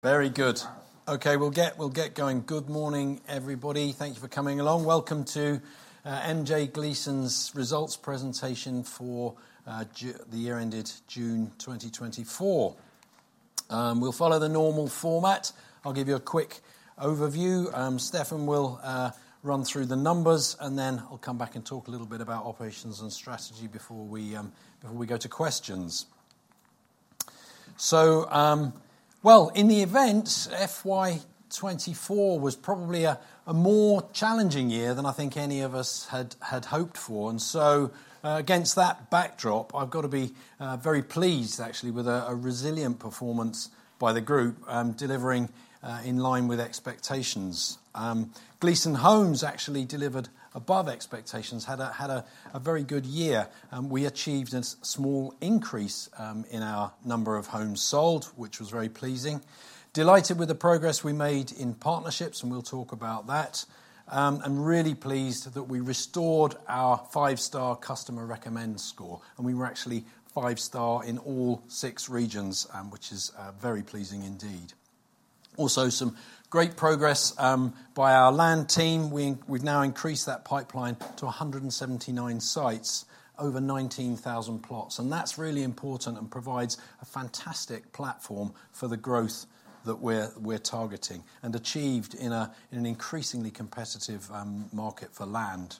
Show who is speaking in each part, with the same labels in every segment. Speaker 1: Very good. Okay, we'll get, we'll get going. Good morning, everybody. Thank you for coming along. Welcome to MJ Gleeson's results presentation for the end of June 2024. We'll follow the normal format. I'll give you a quick overview. Stefan will run through the numbers, and then I'll come back and talk a little bit about operations and strategy before we, before we go to questions. So, well, in the event, FY 2024 was probably a more challenging year than I think any of us had hoped for, and so, against that backdrop, I've got to be very pleased actually with a resilient performance by the group, delivering in line with expectations. Gleeson Homes actually delivered above expectations, had a very good year, and we achieved a small increase in our number of homes sold, which was very pleasing. Delighted with the progress we made in partnerships, and we'll talk about that. I'm really pleased that we restored our 5-star customer recommend score, and we were actually 5-star in all six regions, which is very pleasing indeed. Also, great progress by our land team. We've now increased that pipeline to 179 sites, over 19,000 plots, and that's really important and provides a fantastic platform for the growth that we're targeting and achieved in an increasingly competitive market for land.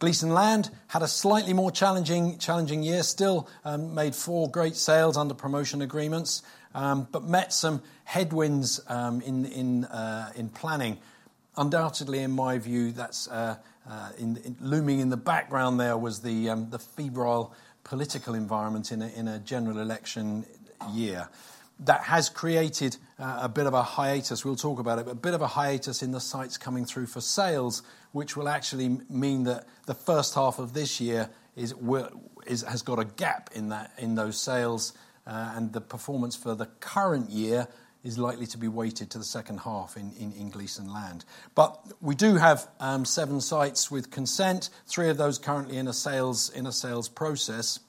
Speaker 1: Gleeson Land had a slightly more challenging year. Still, made four great sales under promotion agreements, but met some headwinds in planning. Undoubtedly, in my view, that's looming in the background. There was the febrile political environment in a general election year. That has created a bit of a hiatus, we'll talk about it, but a bit of a hiatus in the sites coming through for sales, which will actually mean that the first half of this year has got a gap in that, in those sales, and the performance for the current year is likely to be weighted to the second half in Gleeson Land. But we do have seven sites with consent, three of those currently in a sales process,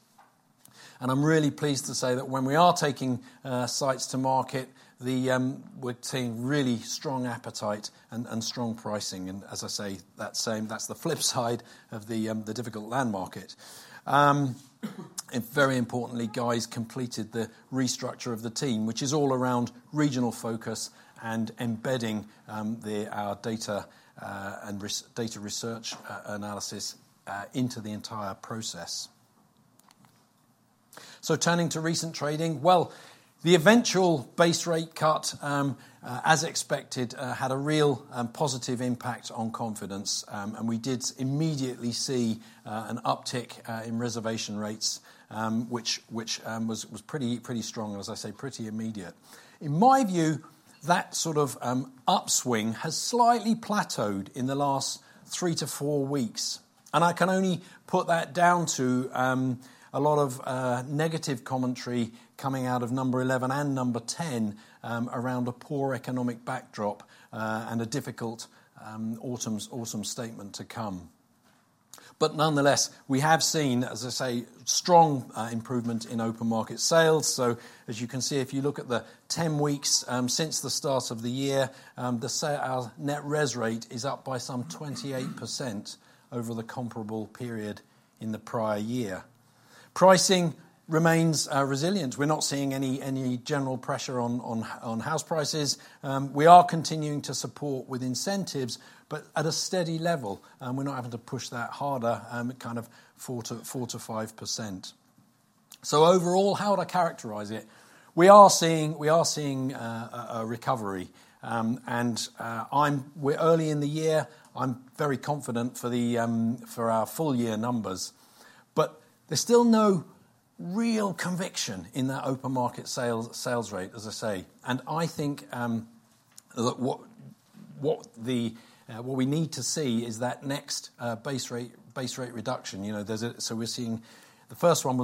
Speaker 1: and I'm really pleased to say that when we are taking sites to market, we're seeing really strong appetite and strong pricing. And as I say, that's the flip side of the difficult land market. And very importantly, Guy completed the restructure of the team, which is all around regional focus and embedding our data and research analysis into the entire process. So turning to recent trading, well, the eventual base rate cut, as expected, had a real positive impact on confidence, and we did immediately see an uptick in reservation rates, which was pretty strong, and as I say, pretty immediate. In my view, that sort of upswing has slightly plateaued in the last three to four weeks, and I can only put that down to a lot of negative commentary coming out of Number 11 and Number 10 around a poor economic backdrop and a difficult Autumn statement to come. But nonetheless, we have seen, as I say, strong improvement in open market sales. So as you can see, if you look at the 10 weeks since the start of the year, our net res rate is up by some 28% over the comparable period in the prior year. Pricing remains resilient. We're not seeing any general pressure on house prices. We are continuing to support with incentives, but at a steady level, and we're not having to push that harder, kind of 4%-5%. So overall, how would I characterize it? We are seeing a recovery, and we're early in the year. I'm very confident for our full year numbers. But there's still no real conviction in that open market sales rate, as I say, and I think that what we need to see is that next base rate reduction. You know, so we're seeing the first one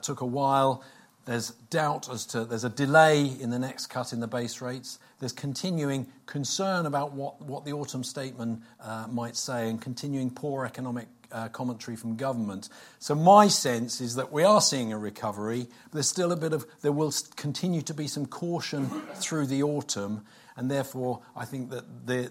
Speaker 1: took a while. There's doubt as to there's a delay in the next cut in the base rates. There's continuing concern about what Autumn statement might say, and continuing poor economic commentary from government. So my sense is that we are seeing a recovery, but there's still a bit of... There will continue to be some caution through the Autumn, and therefore, I think that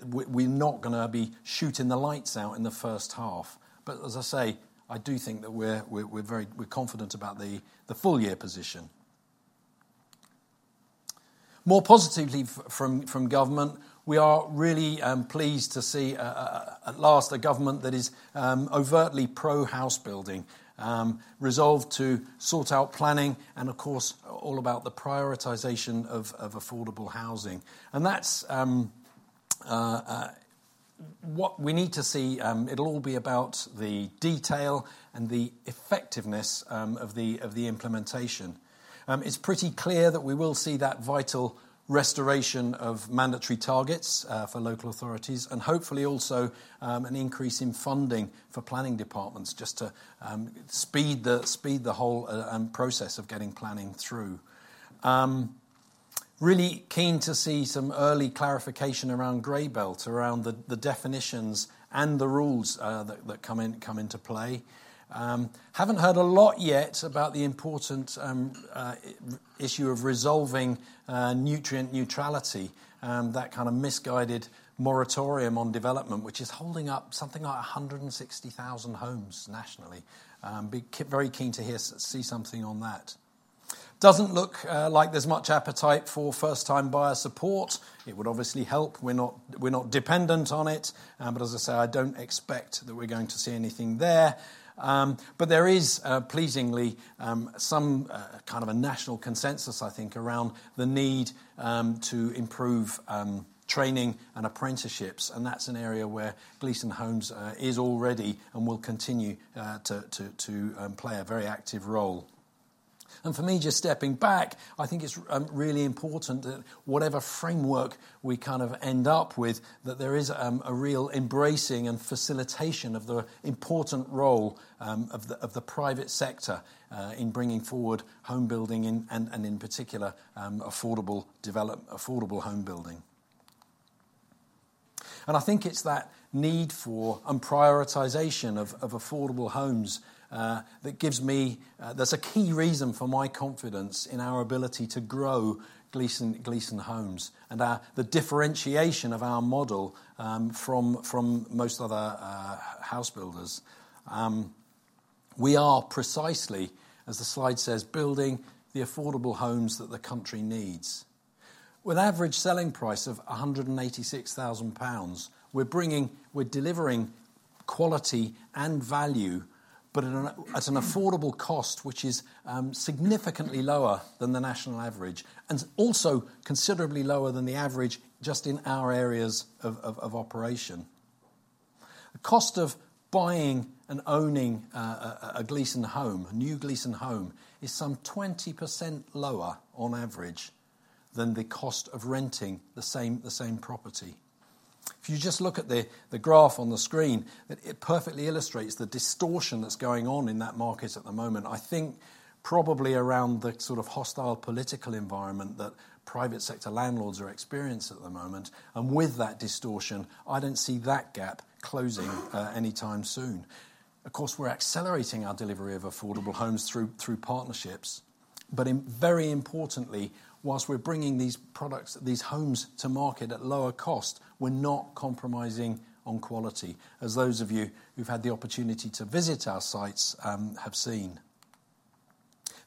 Speaker 1: we, we're not gonna be shooting the lights out in the first half. But as I say, I do think that we're very confident about the full year position. More positively from government, we are really pleased to see at last a government that is overtly pro-house building, resolved to sort out planning and of course, all about the prioritization of affordable housing. And that's what we need to see. It'll all be about the detail and the effectiveness of the implementation. It's pretty clear that we will see that vital restoration of mandatory targets for local authorities, and hopefully also an increase in funding for planning departments just to speed the whole process of getting planning through. Really keen to see some early clarification around grey belt, around the definitions and the rules that come into play. Haven't heard a lot yet about the important issue of resolving nutrient neutrality, that kind of misguided moratorium on development, which is holding up something like a hundred and sixty thousand homes nationally. Very keen to see something on that. Doesn't look like there's much appetite for first-time buyer support. It would obviously help. We're not dependent on it, but as I say, I don't expect that we're going to see anything there. But there is pleasingly some kind of a national consensus, I think, around the need to improve training and apprenticeships, and that's an area where Gleeson Homes is already and will continue to play a very active role. And for me, just stepping back, I think it's really important that whatever framework we kind of end up with, that there is a real embracing and facilitation of the important role of the private sector in bringing forward home building and in particular affordable home building. I think it's that need for and prioritisation of affordable homes that gives me that's a key reason for my confidence in our ability to grow Gleeson, Gleeson Homes, and the differentiation of our model from most other house builders. We are precisely, as the slide says, building the affordable homes that the country needs. With average selling price of 186,000 pounds, we're delivering quality and value, but at an affordable cost, which is significantly lower than the national average, and also considerably lower than the average just in our areas of operation. The cost of buying and owning a Gleeson Home, a new Gleeson Home, is some 20% lower on average than the cost of renting the same property. If you just look at the graph on the screen, it perfectly illustrates the distortion that's going on in that market at the moment. I think probably around the sort of hostile political environment that private sector landlords are experiencing at the moment, and with that distortion, I don't see that gap closing anytime soon. Of course, we're accelerating our delivery of affordable homes through partnerships, but very importantly, whilst we're bringing these products, these homes to market at lower cost, we're not compromising on quality, as those of you who've had the opportunity to visit our sites have seen.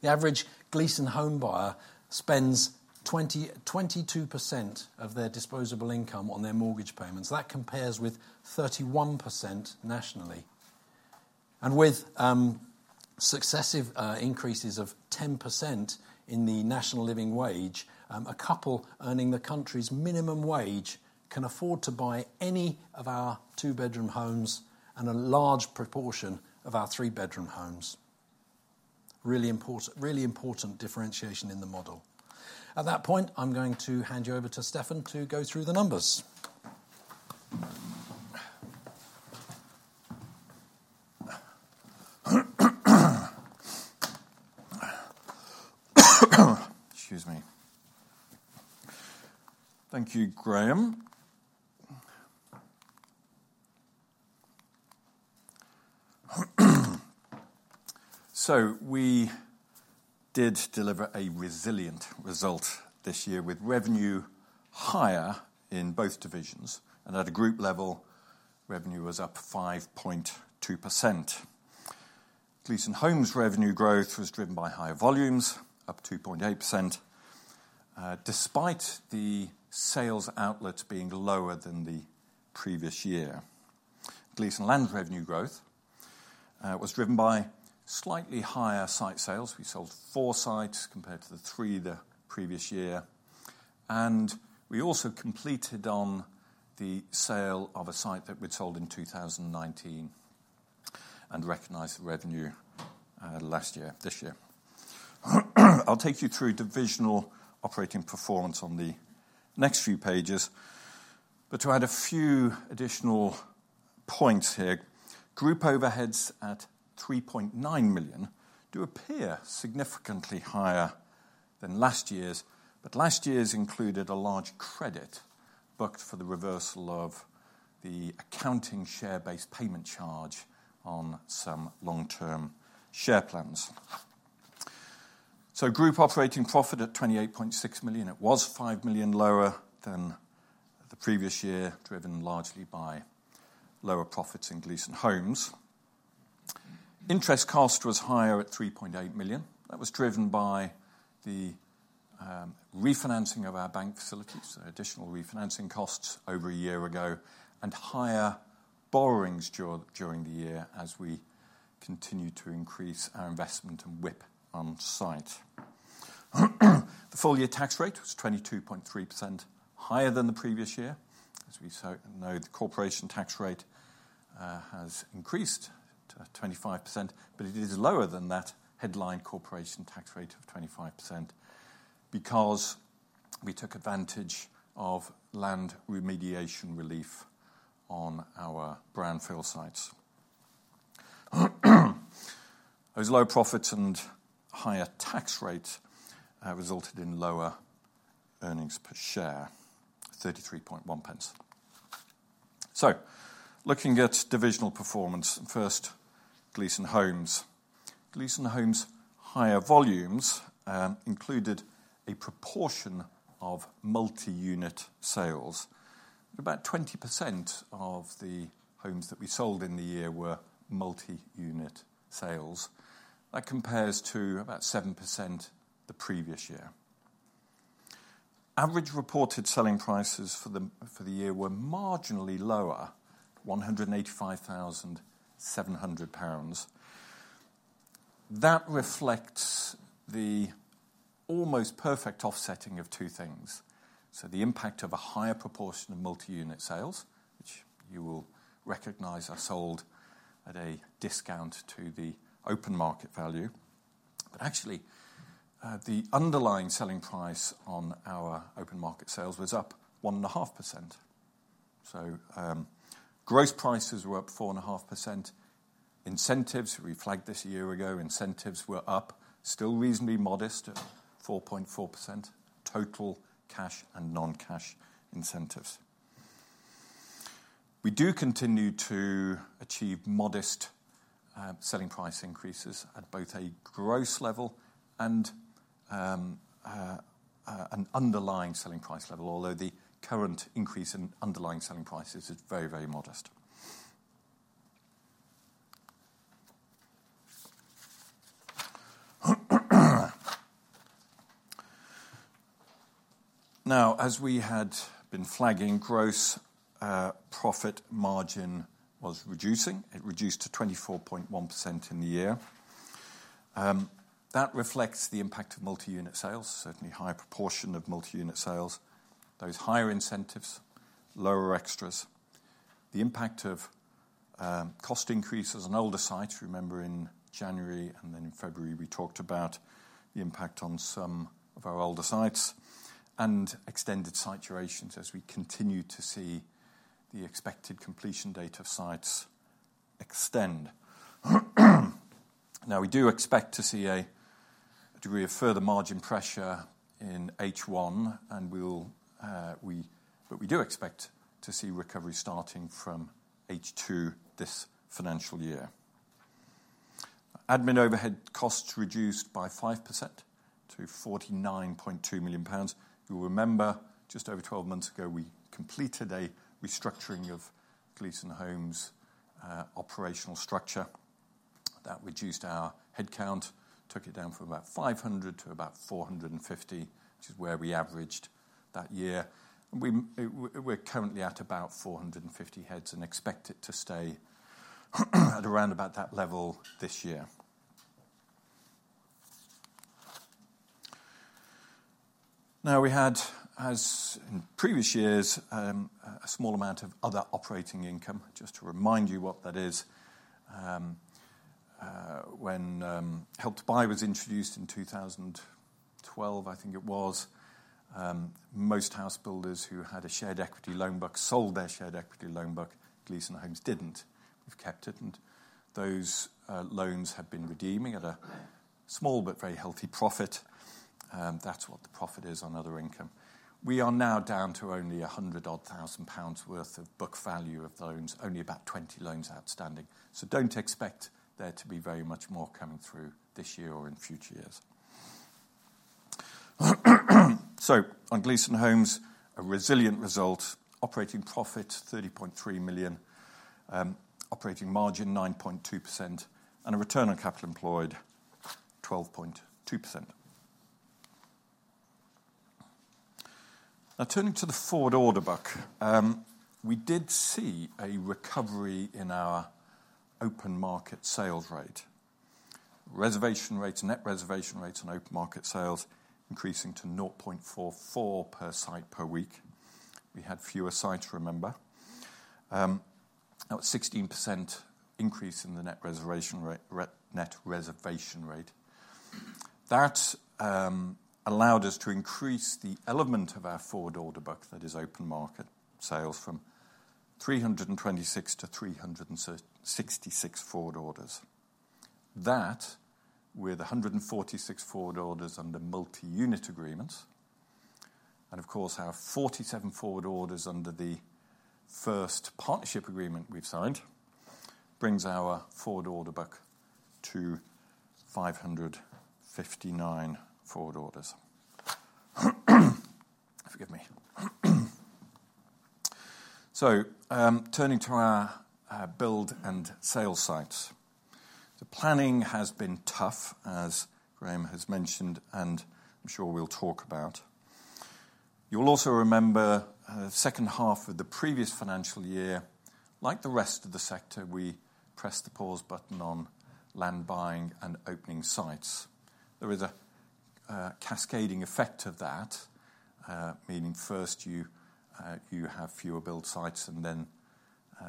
Speaker 1: The average Gleeson Home buyer spends 22% of their disposable income on their mortgage payments. That compares with 31% nationally. And with successive increases of 10% in the National Living Wage, a couple earning the country's minimum wage can afford to buy any of our 2-bedroom homes and a large proportion of our 3-bedroom homes. Really important, really important differentiation in the model. At that point, I'm going to hand you over to Stefan to go through the numbers.
Speaker 2: Excuse me. Thank you, Graham. So we did deliver a resilient result this year, with revenue higher in both divisions, and at a group level, revenue was up 5.2%. Gleeson Homes revenue growth was driven by higher volumes, up 2.8%, despite the sales outlets being lower than the previous year. Gleeson Land revenue growth was driven by slightly higher site sales. We sold 4 sites compared to the three the previous year, and we also completed on the sale of a site that we'd sold in 2019 and recognized the revenue, last year, this year. I'll take you through divisional operating performance on the next few pages, but to add a few additional points here, group overheads at 3.9 million do appear significantly higher than last year's, but last year's included a large credit booked for the reversal of the accounting share-based payment charge on some long-term share plans. So group operating profit at 28.6 million, it was 5 million lower than the previous year, driven largely by lower profits in Gleeson Homes. Interest cost was higher at 3.8 million. That was driven by the refinancing of our bank facilities, so additional refinancing costs over a year ago, and higher borrowings during the year as we continued to increase our investment and WIP on site. The full-year tax rate was 22.3% higher than the previous year. As we so know, the corporation tax rate has increased to 25%, but it is lower than that headline corporation tax rate of 25% because we took advantage of land remediation relief on our brownfield sites. Those low profit and higher tax rates resulted in lower earnings per share, 0.331. So looking at divisional performance, first, Gleeson Homes. Gleeson Homes' higher volumes included a proportion of multi-unit sales. About 20% of the homes that we sold in the year were multi-unit sales. That compares to about 7% the previous year. Average reported selling prices for the year were marginally lower, 185,700 pounds. That reflects the almost perfect offsetting of two things, so the impact of a higher proportion of multi-unit sales, which you will recognize are sold at a discount to the open market value. But actually, the underlying selling price on our open market sales was up 1.5%. So, gross prices were up 4.5%. Incentives, we flagged this a year ago, incentives were up, still reasonably modest at 4.4%, total cash and non-cash incentives. We do continue to achieve modest, selling price increases at both a gross level and, an underlying selling price level, although the current increase in underlying selling prices is very, very modest. Now, as we had been flagging, gross, profit margin was reducing. It reduced to 24.1% in the year. That reflects the impact of multi-unit sales, certainly a higher proportion of multi-unit sales, those higher incentives, lower extras, the impact of cost increases on older sites. Remember in January, and then in February, we talked about the impact on some of our older sites and extended site durations as we continue to see the expected completion date of sites extend. Now, we do expect to see a degree of further margin pressure in H1, and we will, but we do expect to see recovery starting from H2 this financial year. Admin overhead costs reduced by 5% to 49.2 million pounds. You'll remember, just over 12 months ago, we completed a restructuring of Gleeson Homes' operational structure. That reduced our headcount, took it down from about 500 to about 450, which is where we averaged that year. We're currently at about 450 heads and expect it to stay at around about that level this year. Now, we had, as in previous years, a small amount of other operating income. Just to remind you what that is, when Help to Buy was introduced in 2012, I think it was, most house builders who had a shared equity loan book sold their shared equity loan book. Gleeson Homes didn't. We've kept it, and those loans have been redeeming at a small but very healthy profit. That's what the profit is on other income. We are now down to only 100,000-odd pounds worth of book value of loans, only about 20 loans outstanding. So don't expect there to be very much more coming through this year or in future years. So on Gleeson Homes, a resilient result, operating profit, 30.3 million, operating margin, 9.2%, and a return on capital employed, 12.2%. Now, turning to the forward order book, we did see a recovery in our open market sales rate. Reservation rates, net reservation rates and open market sales increasing to 0.44 per site per week. We had fewer sites, remember. Now at 16% increase in the net reservation rate. That allowed us to increase the element of our forward order book, that is open market sales, from 326 to 366 forward orders. That, with a 146 forward orders under multi-unit agreements, and of course, our 47 forward orders under the first partnership agreement we've signed, brings our forward order book to 559 forward orders. Forgive me. So, turning to our build and sale sites. The planning has been tough, as Graham has mentioned, and I'm sure we'll talk about. You'll also remember, second half of the previous financial year, like the rest of the sector, we pressed the pause button on land buying and opening sites. There is a cascading effect of that, meaning first you have fewer build sites, and then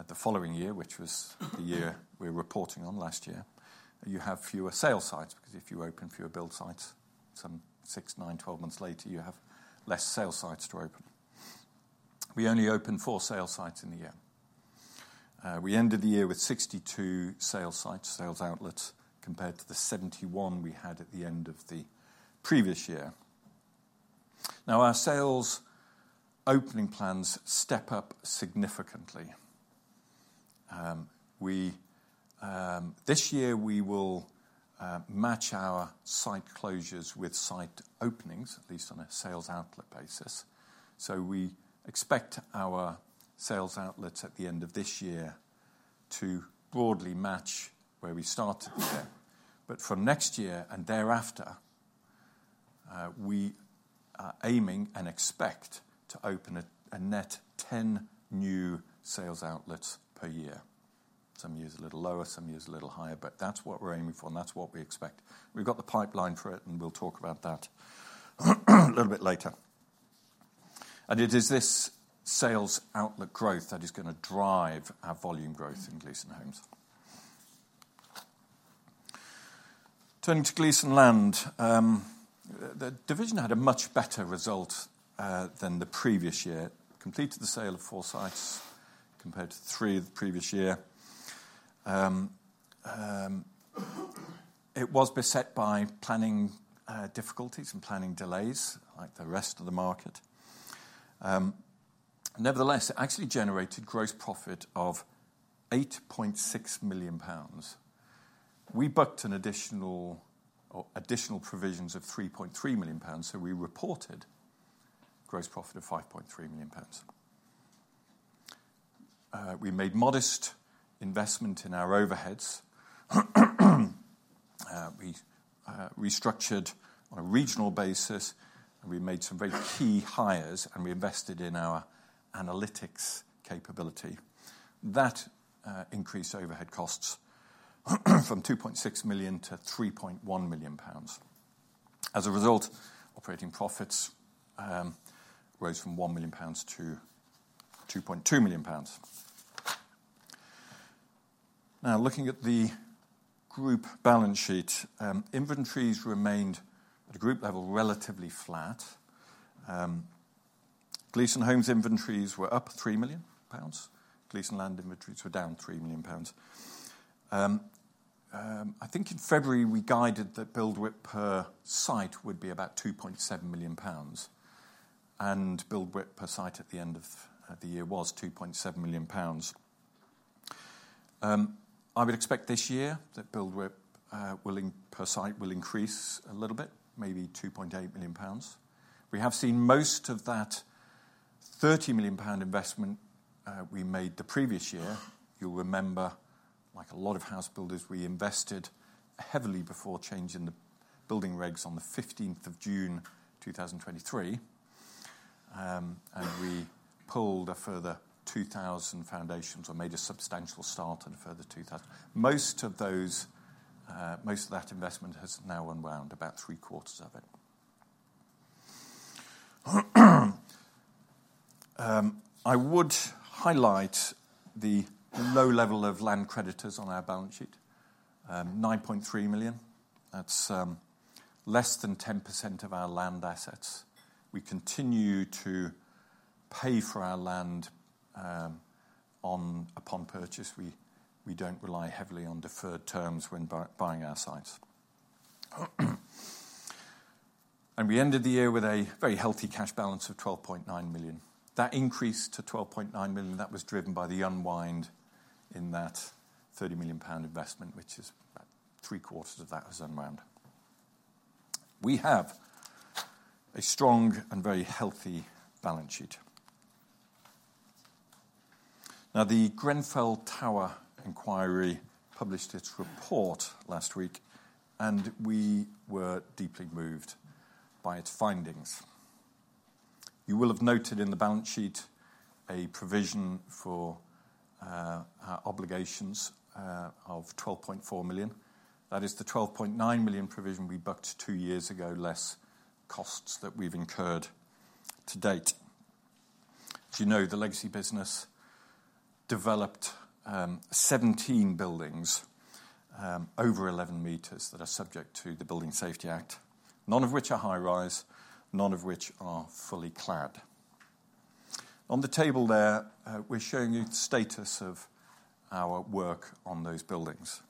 Speaker 2: the following year, which was the year we were reporting on last year, you have fewer sale sites, because if you open fewer build sites, some six, nine, twelve months later, you have less sale sites to open. We only opened four sales sites in the year. We ended the year with 62 sales sites, sales outlets, compared to the 71 we had at the end of the previous year. Now, our sales opening plans step up significantly. This year we will match our site closures with site openings, at least on a sales outlet basis. So we expect our sales outlets at the end of this year to broadly match where we started the year. But from next year and thereafter, we are aiming and expect to open a net ten new sales outlets per year. Some years a little lower, some years a little higher, but that's what we're aiming for, and that's what we expect. We've got the pipeline for it, and we'll talk about that a little bit later. And it is this sales outlet growth that is gonna drive our volume growth in Gleeson Homes. Turning to Gleeson Land, the division had a much better result than the previous year. Completed the sale of four sites, compared to three the previous year. It was beset by planning difficulties and planning delays, like the rest of the market. Nevertheless, it actually generated gross profit of 8.6 million pounds. We booked an additional or additional provisions of 3.3 million pounds, so we reported gross profit of 5.3 million pounds. We made modest investment in our overheads. We restructured on a regional basis, and we made some very key hires, and we invested in our analytics capability. That increased overhead costs from 2.6 million to 3.1 million pounds. As a result, operating profits rose from 1 million pounds to 2.2 million pounds. Now, looking at the group balance sheet, inventories remained at a group level, relatively flat. Gleeson Homes inventories were up 3 million pounds. Gleeson Land inventories were down 3 million pounds. I think in February, we guided that build WIP per site would be about 2.7 million pounds, and build WIP per site at the end of the year was 2.7 million pounds. I would expect this year that build WIP per site will increase a little bit, maybe 2.8 million pounds. We have seen most of that 30 million pound investment we made the previous year. You'll remember, like a lot of house builders, we invested heavily before changing the building regs on the 15th of June 2023, and we pulled a further 2000 foundations or made a substantial start on a further 2000. Most of that investment has now unwound, about 3/4 of it. I would highlight the low level of land creditors on our balance sheet, 9.3 million. That's less than 10% of our land assets. We continue to pay for our land upon purchase. We don't rely heavily on deferred terms when buying our sites. And we ended the year with a very healthy cash balance of 12.9 million. That increased to 12.9 million. That was driven by the unwind in that 30 million pound investment, which is about three-quarters of that was unwound. We have a strong and very healthy balance sheet. Now, the Grenfell Tower Inquiry published its report last week, and we were deeply moved by its findings. You will have noted in the balance sheet a provision for obligations of 12.4 million. That is the 12.9 million provision we booked two years ago, less costs that we've incurred to date. As you know, the legacy business developed 17 buildings over 11 m that are subject to the Building safety Act, none of which are high rise, none of which are fully clad. On the table there, we're showing you the status of our work on those buildings.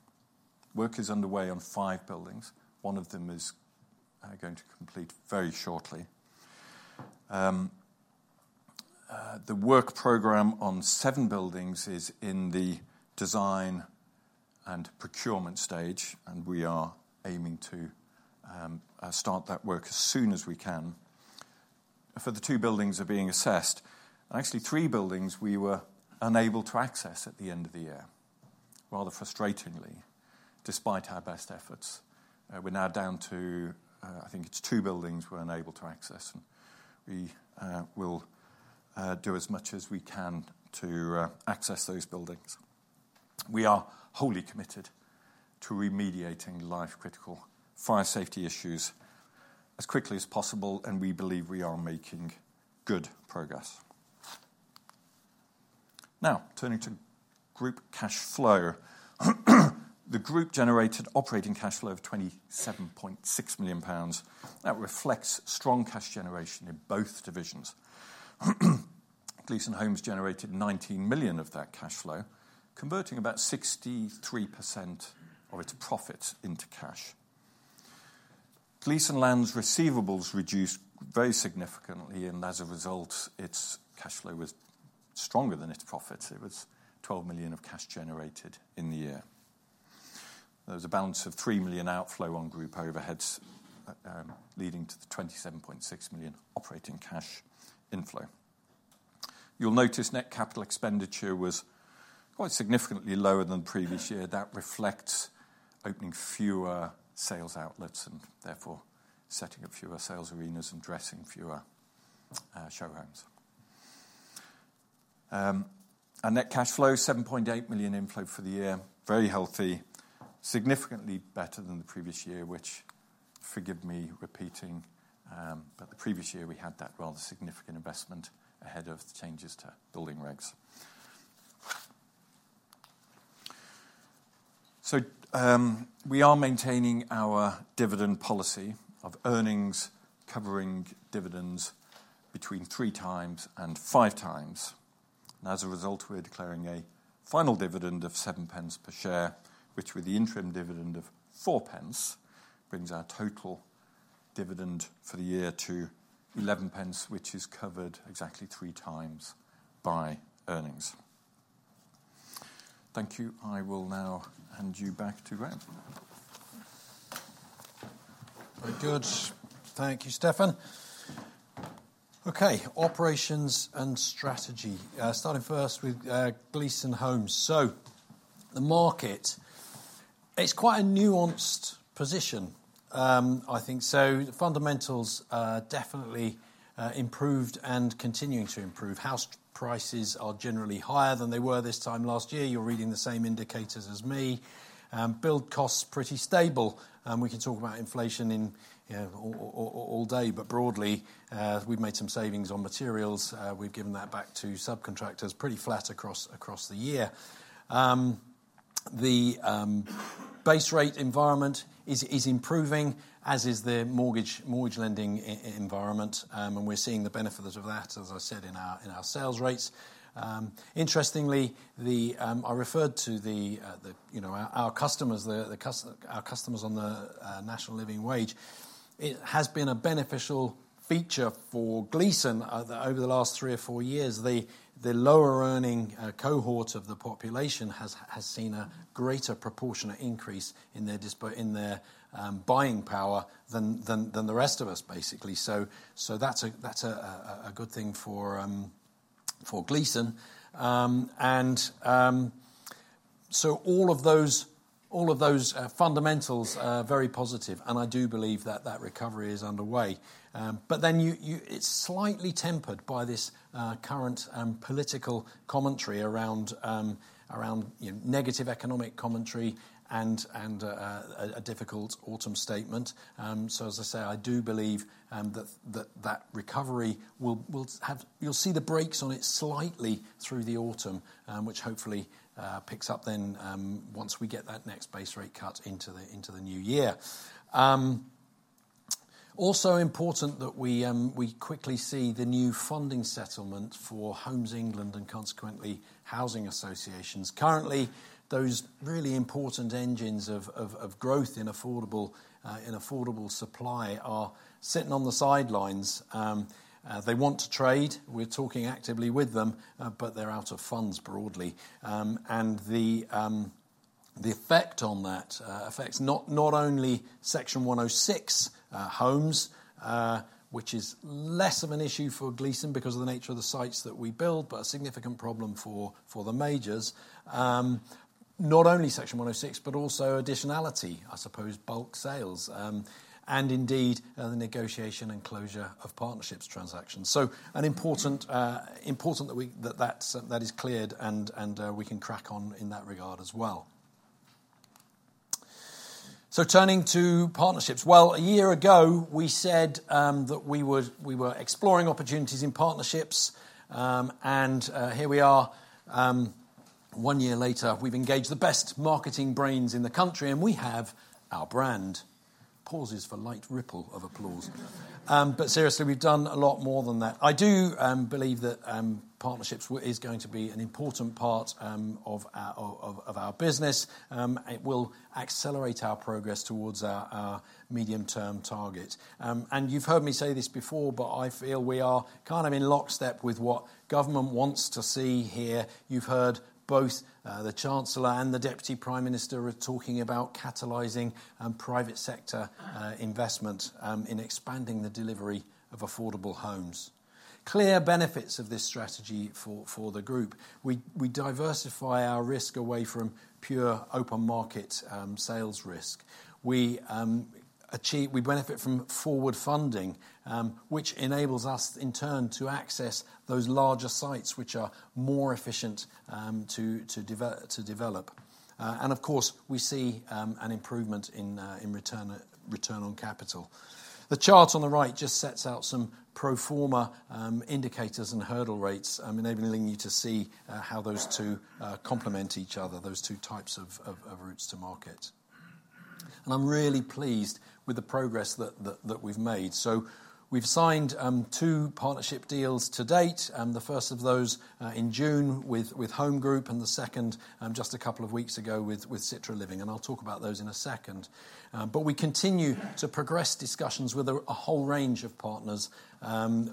Speaker 2: Work is underway on 5 buildings. One of them is going to complete very shortly. The work program on 7 buildings is in the design and procurement stage, and we are aiming to start that work as soon as we can. For the two buildings are being assessed, actually, three buildings we were unable to access at the end of the year, rather frustratingly, despite our best efforts. We're now down to, I think it's two buildings we're unable to access, and we will do as much as we can to access those buildings. We are wholly committed to remediating life-critical fire safety issues as quickly as possible, and we believe we are making good progress. Now, turning to group cash flow. The group generated operating cash flow of 27.6 million pounds. That reflects strong cash generation in both divisions. Gleeson Homes generated 19 millions of that cash flow, converting about 63% of its profits into cash. Gleeson Land's receivables reduced very significantly, and as a result, its cash flow was stronger than its profits. It was 12 million of cash generated in the year. There was a balance of 3 million outflow on group overheads, leading to the 27.6 million operating cash inflow. You'll notice net capital expenditure was quite significantly lower than the previous year. That reflects opening fewer sales outlets and therefore setting up fewer sales arenas and dressing fewer show homes. Our net cash flow, 7.8 million inflow for the year, very healthy, significantly better than the previous year, which, forgive me repeating, but the previous year we had that rather significant investment ahead of the changes to building regs. We are maintaining our dividend policy of earnings covering dividends between 3x and 5x, and as a result, we're declaring a final dividend of seven pence per share, which, with the interim dividend of four pence, brings our total dividend for the year to eleven pence, which is covered exactly 3x by earnings. Thank you. I will now hand you back to Graham.
Speaker 1: Very good. Thank you, Stefan. Okay, operations and strategy. Starting first with Gleeson Homes. So the market, it's quite a nuanced position, I think. So the fundamentals definitely improved and continuing to improve. House prices are generally higher than they were this time last year. You're reading the same indicators as me. Build costs pretty stable, and we can talk about inflation in, you know, all day, but broadly, we've made some savings on materials. We've given that back to subcontractors. Pretty flat across the year. The base rate environment is improving, as is the mortgage lending environment, and we're seeing the benefits of that, as I said, in our sales rates. Interestingly, the... I referred to you know our customers on the National Living Wage. It has been a beneficial feature for Gleeson over the last three or four years. The lower earning cohort of the population has seen a greater proportionate increase in their buying power than the rest of us, basically. So that's a good thing for Gleeson. And so all of those fundamentals are very positive, and I do believe that recovery is underway. But then it's slightly tempered by this current political commentary around you know negative economic commentary and a difficult Autumn statement. So as I say, I do believe that recovery will have... You'll see the brakes on it slightly through the Autumn, which hopefully picks up then once we get that next base rate cut into the new year. Also important that we quickly see the new funding settlement for Homes England and consequently, housing associations. Currently, those really important engines of growth in affordable supply are sitting on the sidelines. They want to trade. We're talking actively with them, but they're out of funds broadly, and the effect on that affects not only Section 106 homes, which is less of an issue for Gleeson because of the nature of the sites that we build, but a significant problem for the majors. Not only Section 106, but also additionality, I suppose, bulk sales, and indeed, the negotiation and closure of partnerships transactions. So it's important that that is cleared, and we can crack on in that regard as well. So turning to partnerships. A year ago, we said that we were exploring opportunities in partnerships, and here we are, one year later. We've engaged the best marketing brains in the country, and we have our brand. But seriously, we've done a lot more than that. I do believe that partnerships is going to be an important part of our business. It will accelerate our progress towards our medium-term target. And you've heard me say this before, but I feel we are kind of in lockstep with what government wants to see here. You've heard both the Chancellor and the Deputy Prime Minister are talking about catalyzing private sector investment in expanding the delivery of affordable homes. Clear benefits of this strategy for the group: we diversify our risk away from pure open market sales risk. We benefit from forward funding, which enables us, in turn, to access those larger sites which are more efficient to develop. And of course, we see an improvement in return on capital. The chart on the right just sets out some pro forma, indicators and hurdle rates, enabling you to see, how those two, complement each other, those two types of routes to market, and I'm really pleased with the progress that we've made, so we've signed, two partnership deals to date, and the first of those, in June with Home Group, and the second, just a couple of weeks ago with Citra Living, and I'll talk about those in a second, but we continue to progress discussions with a whole range of partners,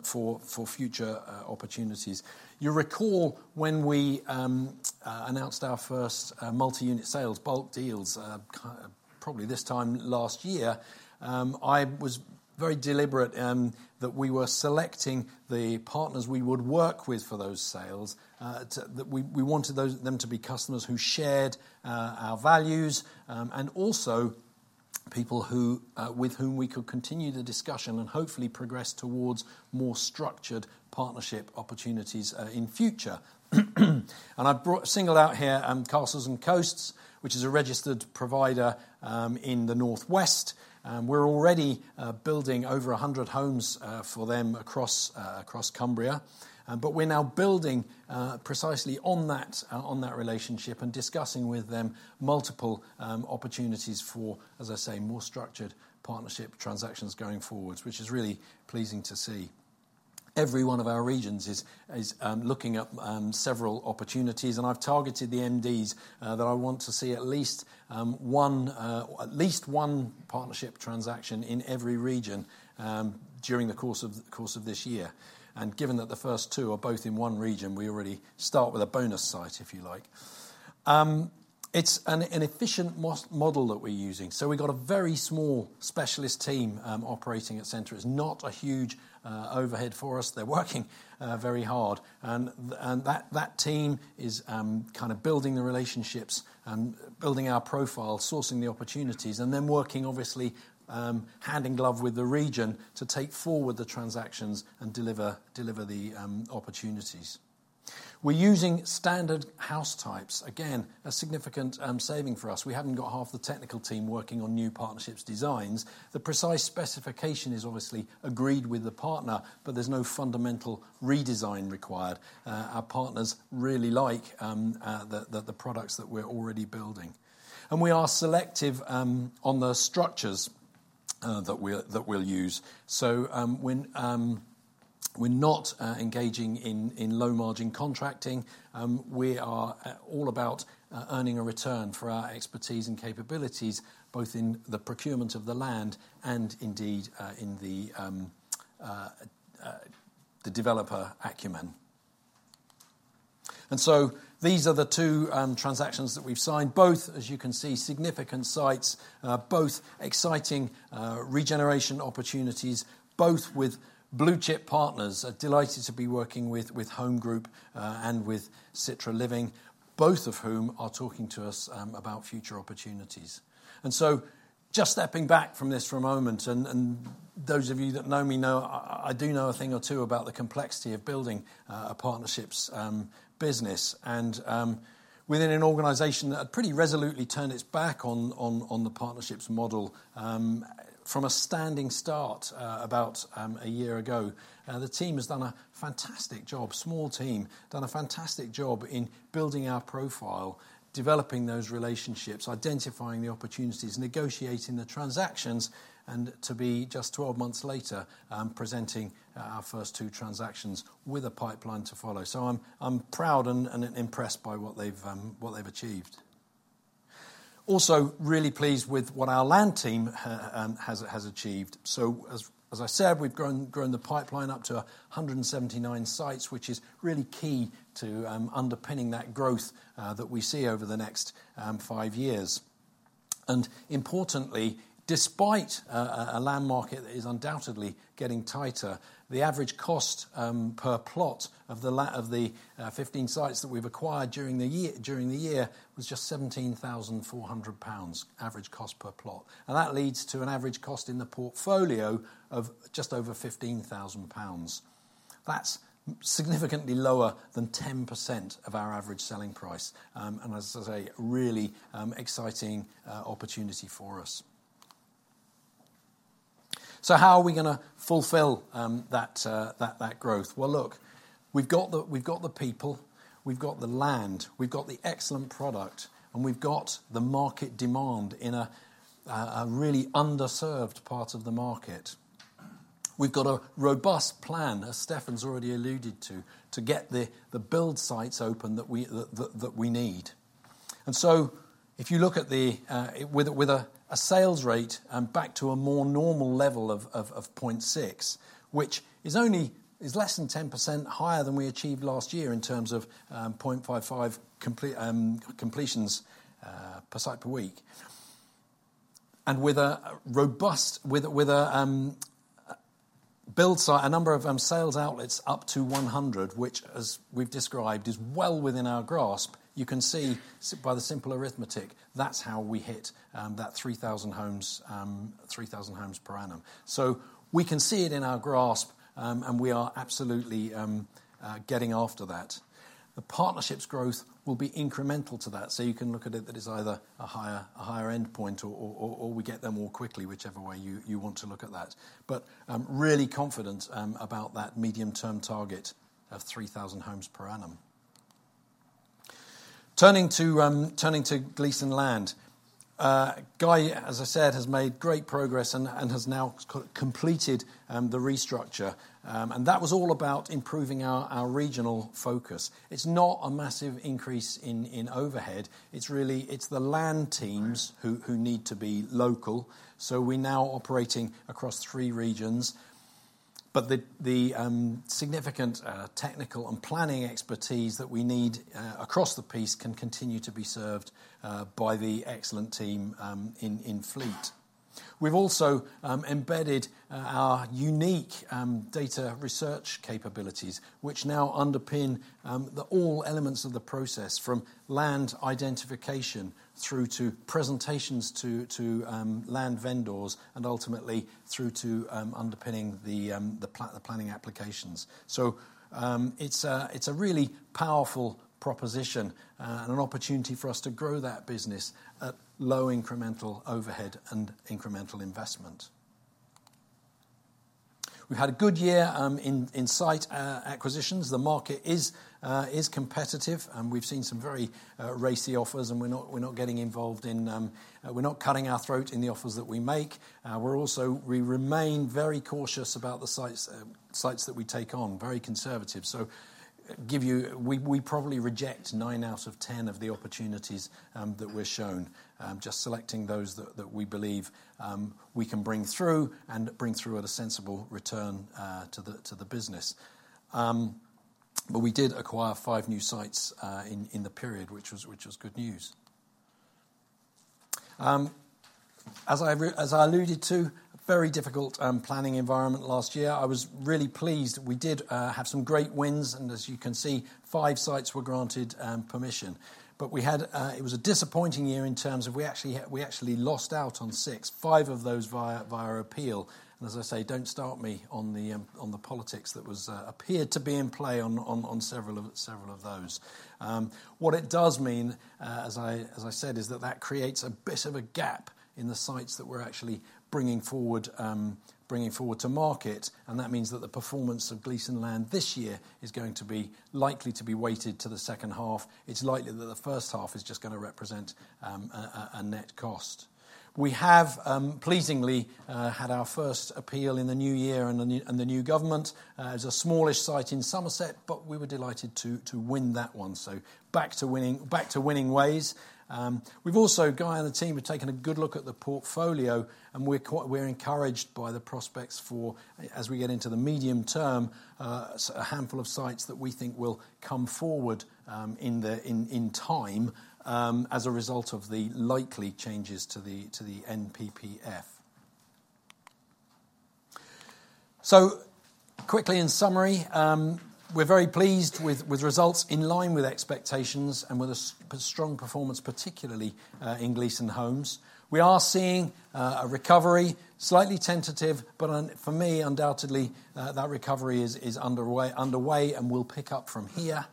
Speaker 1: for future, opportunities. You recall when we announced our first multi-unit sales bulk deals probably this time last year. I was very deliberate that we were selecting the partners we would work with for those sales, that we wanted them to be customers who shared our values and also people with whom we could continue the discussion and hopefully progress towards more structured partnership opportunities in future. I've singled out here Castles & Coasts, which is a registered provider in the North West, and we're already building over 100 homes for them across Cumbria. But we're now building precisely on that relationship and discussing with them multiple opportunities for, as I say, more structured partnership transactions going forwards, which is really pleasing to see. Every one of our regions is looking up several opportunities, and I've targeted the MDs that I want to see at least one partnership transaction in every region during the course of this year. And given that the first two are both in one region, we already start with a bonus site, if you like. It's an efficient model that we're using. So we've got a very small specialist team operating at Citra. It's not a huge overhead for us. They're working very hard, and that team is kind of building the relationships and building our profile, sourcing the opportunities, and then working, obviously, hand in glove with the region to take forward the transactions and deliver the opportunities. We're using standard house types, again, a significant saving for us. We haven't got half the technical team working on new partnerships designs. The precise specification is obviously agreed with the partner, but there's no fundamental redesign required. Our partners really like the products that we're already building. And we are selective on the structures that we'll use. So we're not engaging in low-margin contracting. We are all about earning a return for our expertise and capabilities, both in the procurement of the land and indeed in the developer acumen. And so these are the two transactions that we've signed, both, as you can see, significant sites, both exciting regeneration opportunities, both with blue-chip partners. I'm delighted to be working with Home Group and with Citra Living, both of whom are talking to us about future opportunities. And so just stepping back from this for a moment, and those of you that know me know I do know a thing or two about the complexity of building a partnerships business, and within an organization that pretty resolutely turned its back on the partnerships model from a standing start about a year ago. The team has done a fantastic job, small team, done a fantastic job in building our profile, developing those relationships, identifying the opportunities, negotiating the transactions, and to be just 12 months later presenting our first two transactions with a pipeline to follow. So I'm proud and impressed by what they've achieved. Also, really pleased with what our land team has achieved. So, as I said, we've grown the pipeline up to 179 sites, which is really key to underpinning that growth that we see over the next five years. And importantly, despite a land market that is undoubtedly getting tighter, the average cost per plot of the 15 sites that we've acquired during the year was just 17,400 pounds, average cost per plot. And that leads to an average cost in the portfolio of just over 15,000 pounds. That's significantly lower than 10% of our average selling price, and as I say, a really exciting opportunity for us. So how are we gonna fulfill that growth? Well, look, we've got the people, we've got the land, we've got the excellent product, and we've got the market demand in a really underserved part of the market. We've got a robust plan, as Stefan's already alluded to, to get the build sites open that we need. And so if you look at the sales rate back to a more normal level of 0.6, which is less than 10% higher than we achieved last year in terms of 0.55 completions per site per week, and with a robust number of sales outlets up to 100, which, as we've described, is well within our grasp, you can see, by the simple arithmetic... That's how we hit that three thousand homes per annum. So we can see it in our grasp and we are absolutely getting after that. The partnerships growth will be incremental to that, so you can look at it as either a higher endpoint or we get there more quickly, whichever way you want to look at that. But I'm really confident about that medium-term target of three thousand homes per annum. Turning to Gleeson Land. Guy, as I said, has made great progress and has now completed the restructure. And that was all about improving our regional focus. It's not a massive increase in overhead, it's really the land teams who need to be local, so we're now operating across three regions. But the significant technical and planning expertise that we need across the piece can continue to be served by the excellent team in Fleet. We've also embedded our unique data research capabilities, which now underpin the all elements of the process, from land identification through to presentations to land vendors, and ultimately through to underpinning the planning applications. So, it's a really powerful proposition, and an opportunity for us to grow that business at low incremental overhead and incremental investment. We had a good year in site acquisitions. The market is competitive, and we've seen some very racy offers, and we're not getting involved in... We're not cutting our throat in the offers that we make. We're also. We remain very cautious about the sites, sites that we take on, very conservative. So give you, we, we probably reject nine out of ten of the opportunities that we're shown, just selecting those that, that we believe we can bring through, and bring through at a sensible return to the, to the business. But we did acquire five new sites in the period, which was good news. As I alluded to, very difficult planning environment last year. I was really pleased that we did have some great wins, and as you can see, 5 sites were granted permission. But we had, it was a disappointing year in terms of we actually lost out on six. 5 of those via appeal. As I say, don't start me on the politics that appeared to be in play on several of those. What it does mean, as I said, is that that creates a bit of a gap in the sites that we're actually bringing forward to market, and that means that the performance of Gleeson Land this year is going to be likely to be weighted to the second half. It's likely that the first half is just gonna represent a net cost. We have, pleasingly, had our first appeal in the new year and the new government. It's a smallish site in Somerset, but we were delighted to win that one. So back to winning, back to winning ways. We've also... Guy and the team have taken a good look at the portfolio, and we're quite encouraged by the prospects for, as we get into the medium term, a handful of sites that we think will come forward in time as a result of the likely changes to the NPPF. So quickly in summary, we're very pleased with results in line with expectations and with a strong performance, particularly in Gleeson Homes. We are seeing a recovery, slightly tentative, but for me, undoubtedly, that recovery is underway and will pick up from here.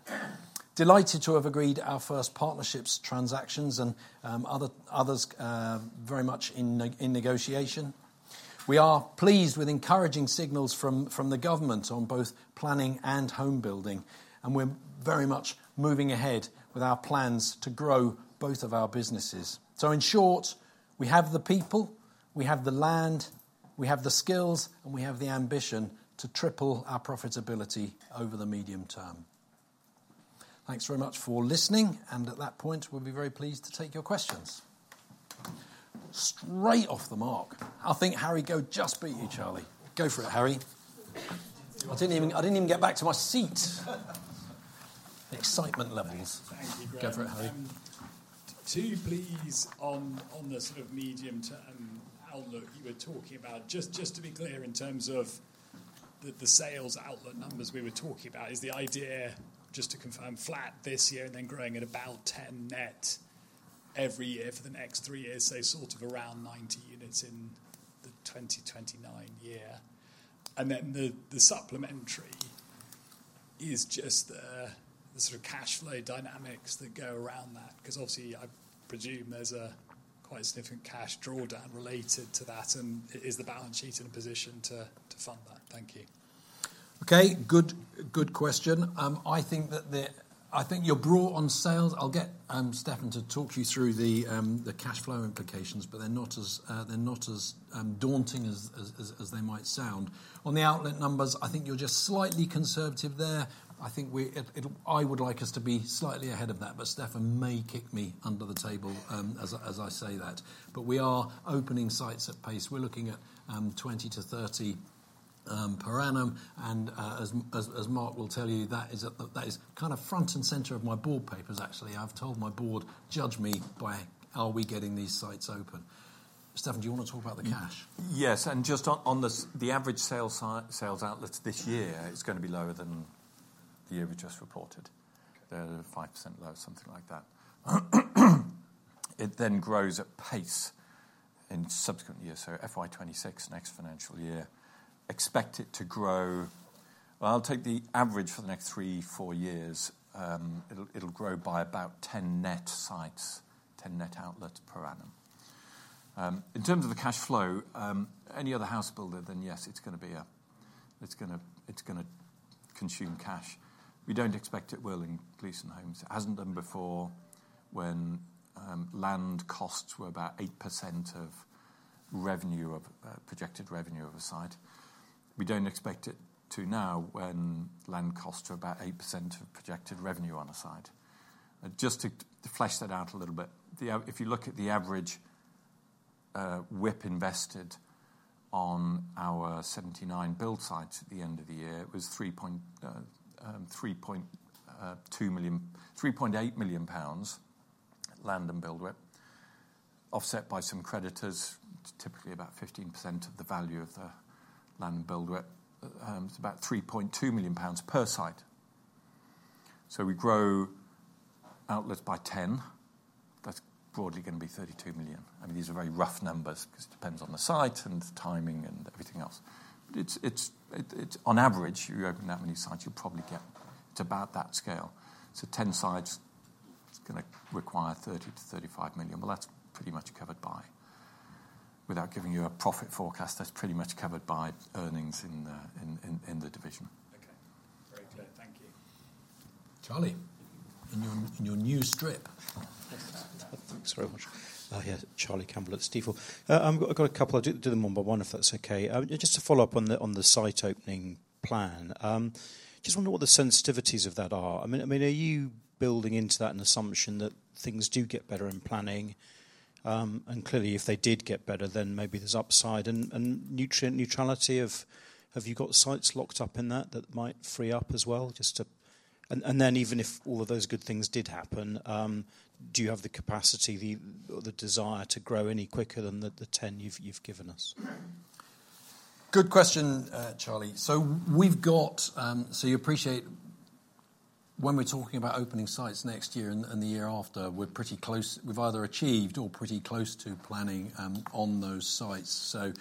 Speaker 1: Delighted to have agreed our first partnerships, transactions, and others very much in negotiation. We are pleased with encouraging signals from the government on both planning and home building, and we're very much moving ahead with our plans to grow both of our businesses. So in short, we have the people, we have the land, we have the skills, and we have the ambition to triple our profitability over the medium term. Thanks very much for listening, and at that point, we'll be very pleased to take your questions. Straight off the mark. I think Harry Guo just beat you, Charlie, go for it, Harry. I didn't even get back to my seat. Excitement levels. Thank you, Graham. Go for it, Harry. Two please on the sort of medium-term outlook you were talking about. Just to be clear, in terms of the sales outlet numbers we were talking about, is the idea, just to confirm, flat this year and then growing at about 10 net every year for the next three years, so sort of around 90 units in the 2029 year? And then the supplementary is just the sort of cash flow dynamics that go around that, 'cause obviously, I presume there's a quite significant cash drawdown related to that, and is the balance sheet in a position to fund that? Thank you. Okay, good, good question. I think you're broad on sales. I'll get Stefan to talk you through the cash flow implications, but they're not as daunting as they might sound. On the outlet numbers, I think you're just slightly conservative there. I think I would like us to be slightly ahead of that, but Stefan may kick me under the table as I say that. But we are opening sites at pace. We're looking at twenty to thirty per annum, and as Mark will tell you, that is kind of front and center of my board papers, actually. I've told my board, "Judge me by, are we getting these sites open?" Stefan, do you want to talk about the cash?
Speaker 2: Yes, and just on the average sales outlet this year, it's going to be lower than the year we just reported. They're at a 5% low, something like that. It then grows at pace in subsequent years. So FY 2026, next financial year, expect it to grow. Well, I'll take the average for the next three, four years. It'll grow by about 10 net sites, 10 net outlets per annum. In terms of the cash flow, any other house builder, then yes, it's gonna consume cash. We don't expect it will in Gleeson Homes. It hasn't done before when land costs were about 8% of revenue, of projected revenue of a site. We don't expect it to now, when land costs are about 8% of projected revenue on a site. Just to flesh that out a little bit, if you look at the average WIP invested on our 79 build sites at the end of the year, it was 3.8 million pounds, land and build WIP, offset by some creditors, typically about 15% of the value of the land and build WIP. It's about 3.2 million pounds per site. So we grow outlets by 10, that's broadly gonna be 32 million. I mean, these are very rough numbers 'cause it depends on the site and the timing and everything else. But it's on average, you open that many sites, you'll probably get to about that scale. So 10 sites is gonna require 30-35 million. Well, that's pretty much covered by... Without giving you a profit forecast, that's pretty much covered by earnings in the division. Okay. Very clear. Thank you.
Speaker 1: Charlie, in your new strip.
Speaker 3: Thanks very much. Yeah, Charlie Campbell at Stifel. I've got a couple. I'll do them one by one, if that's okay. Just to follow up on the site opening plan, just wonder what the sensitivities of that are. I mean, are you building into that an assumption that things do get better in planning? And clearly, if they did get better, then maybe there's upside and nutrient neutrality. Have you got sites locked up in that that might free up as well, just to? Then, even if all of those good things did happen, do you have the capacity or the desire to grow any quicker than the ten you've given us?
Speaker 1: Good question, Charlie. So we've got, so you appreciate when we're talking about opening sites next year and the year after, we're pretty close. We've either achieved or pretty close to planning on those sites. So,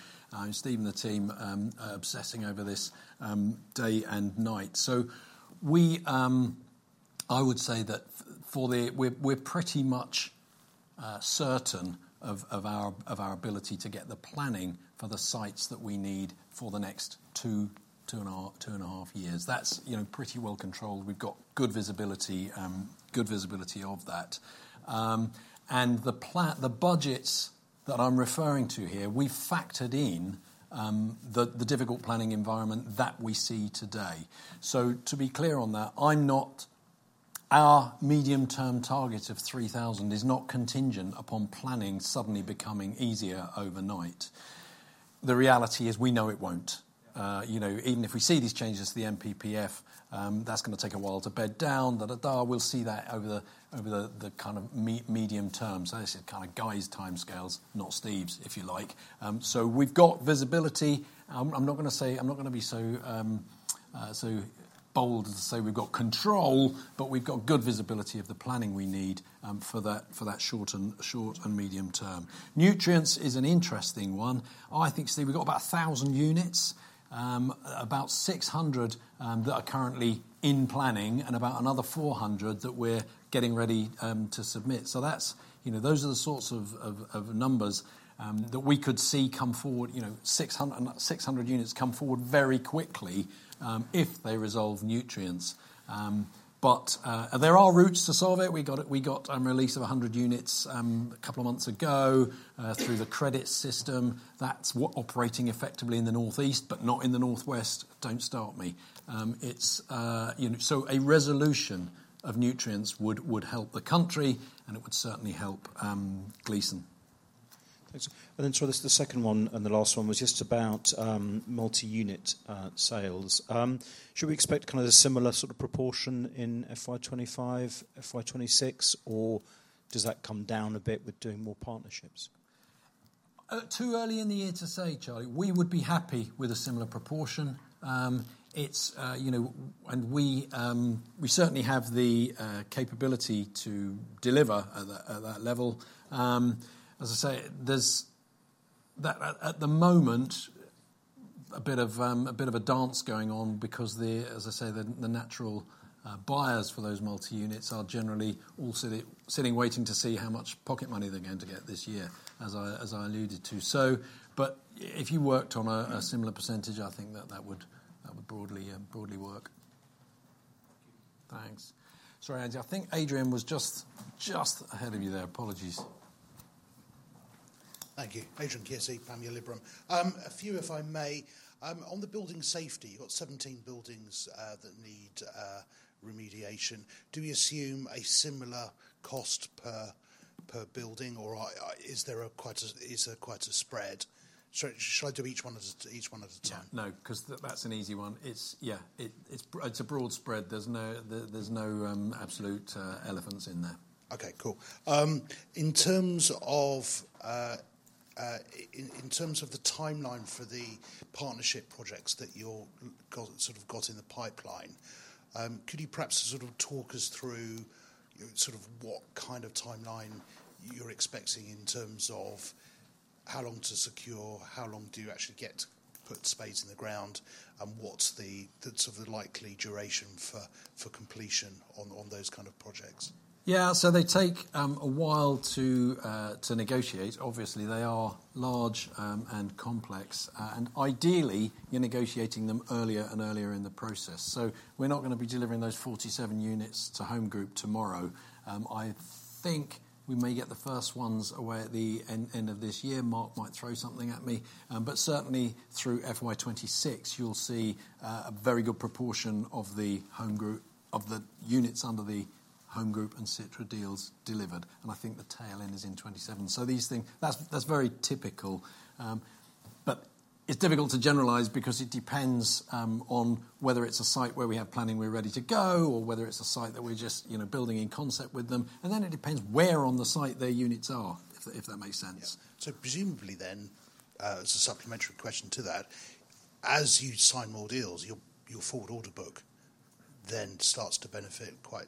Speaker 1: Steve and the team are obsessing over this day and night. So we I would say that for the we're pretty much certain of our ability to get the planning for the sites that we need for the next 2.5 years. That's, you know, pretty well controlled. We've got good visibility of that. And the budgets that I'm referring to here, we factored in the difficult planning environment that we see today. So to be clear on that, our medium-term target of three thousand is not contingent upon planning suddenly becoming easier overnight. The reality is, we know it won't. You know, even if we see these changes to the NPPF, that's gonna take a while to bed down. We'll see that over the medium term. So this is kind of Guy's timescales, not Steve's, if you like. So we've got visibility. I'm not gonna be so bold as to say we've got control, but we've got good visibility of the planning we need for that short and medium term. Nutrients is an interesting one. I think, Steve, we've got about a thousand units, about six hundred that are currently in planning, and about another four hundred that we're getting ready to submit. So that's, you know, those are the sorts of numbers that we could see come forward, you know, six hundred units come forward very quickly, if they resolve nutrients. But there are routes to solve it. We got a release of a hundred units, a couple of months ago, through the credit system. That's what operating effectively in the northeast, but not in the northwest. Don't start me. It's, you know. So a resolution of nutrients would help the country, and it would certainly help Gleeson.
Speaker 3: Thanks. And then, sorry, the second one, and the last one, was just about multi-unit sales. Should we expect kind of a similar sort of proportion in FY 2025, FY 2026, or does that come down a bit with doing more partnerships?
Speaker 1: Too early in the year to say, Charlie. We would be happy with a similar proportion. It's, you know, and we, we certainly have the capability to deliver at a, at that level. As I say, there's that at, at the moment, a bit of a bit of a dance going on because the, as I say, the, the natural, buyers for those multi-units are generally all sitting, waiting to see how much pocket money they're going to get this year, as I, as I alluded to. So, but if you worked on a, a similar percentage, I think that that would, that would broadly, broadly work.
Speaker 3: Thank you.
Speaker 1: Thanks. Sorry, Andy, I think Adrian was just ahead of you there. Apologies.
Speaker 4: Thank you. Adrian Kearsey, Panmure Liberum. A few, if I may. On the building safety, you've got 17 buildings that need remediation. Do we assume a similar cost per building, or... Is there quite a spread? Should I do each one at a time?
Speaker 1: No, 'cause that's an easy one. It's, yeah, it's a broad spread. There's no absolute elephants in there.
Speaker 4: Okay, cool. In terms of the timeline for the partnership projects that you've got in the pipeline, could you perhaps sort of talk us through, sort of what kind of timeline you're expecting in terms of how long to secure, how long do you actually get to put spades in the ground, and what's the sort of likely duration for completion on those kind of projects?
Speaker 1: Yeah, so they take a while to negotiate. Obviously, they are large and complex, and ideally, you're negotiating them earlier and earlier in the process. So we're not gonna be delivering those 47 units to Home Group tomorrow. I think we may get the first ones away at the end of this year. Mark might throw something at me. But certainly through FY 2026, you'll see a very good proportion of the Home Group, of the units under the Home Group and Citra deals delivered, and I think the tail end is in 2027. So these things. That's very typical. But it's difficult to generalize because it depends on whether it's a site where we have planning, we're ready to go, or whether it's a site that we're just, you know, building in concept with them. It depends where on the site their units are, if that makes sense.
Speaker 4: Yeah. So presumably then, as you sign more deals, your forward order book then starts to benefit quite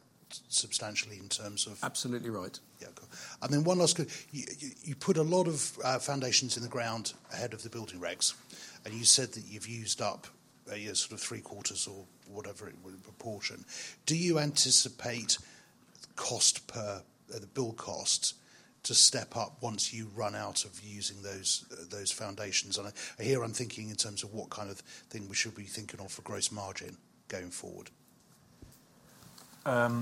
Speaker 4: substantially in terms of-
Speaker 1: Absolutely right.
Speaker 4: Yeah, cool. And then one last question. You put a lot of foundations in the ground ahead of the building regs, and you said that you've used up a sort of three quarters or whatever it would proportion. Do you anticipate cost per the bill cost to step up once you run out of using those foundations? And here, I'm thinking in terms of what kind of thing we should be thinking of for gross margin going forward.
Speaker 2: No.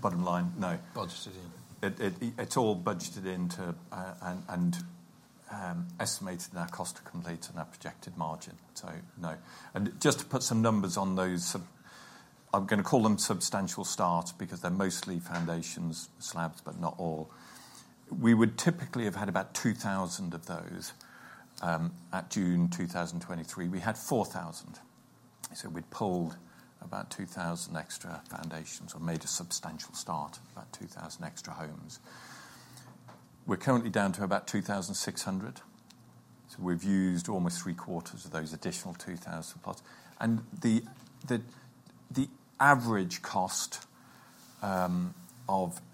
Speaker 2: Bottom line, no.
Speaker 1: Budgeted in.
Speaker 2: It's all budgeted into and estimated in our cost to complete and our projected margin, so no. Just to put some numbers on those, I'm gonna call them substantial starts because they're mostly foundations, slabs, but not all. We would typically have had about 2,000 of those. At June 2023, we had 4,000. So we'd pulled about 2,000 extra foundations or made a substantial start, about 2,000 extra homes. We're currently down to about 2,600, so we've used almost three quarters of those additional 2,000+. The average cost of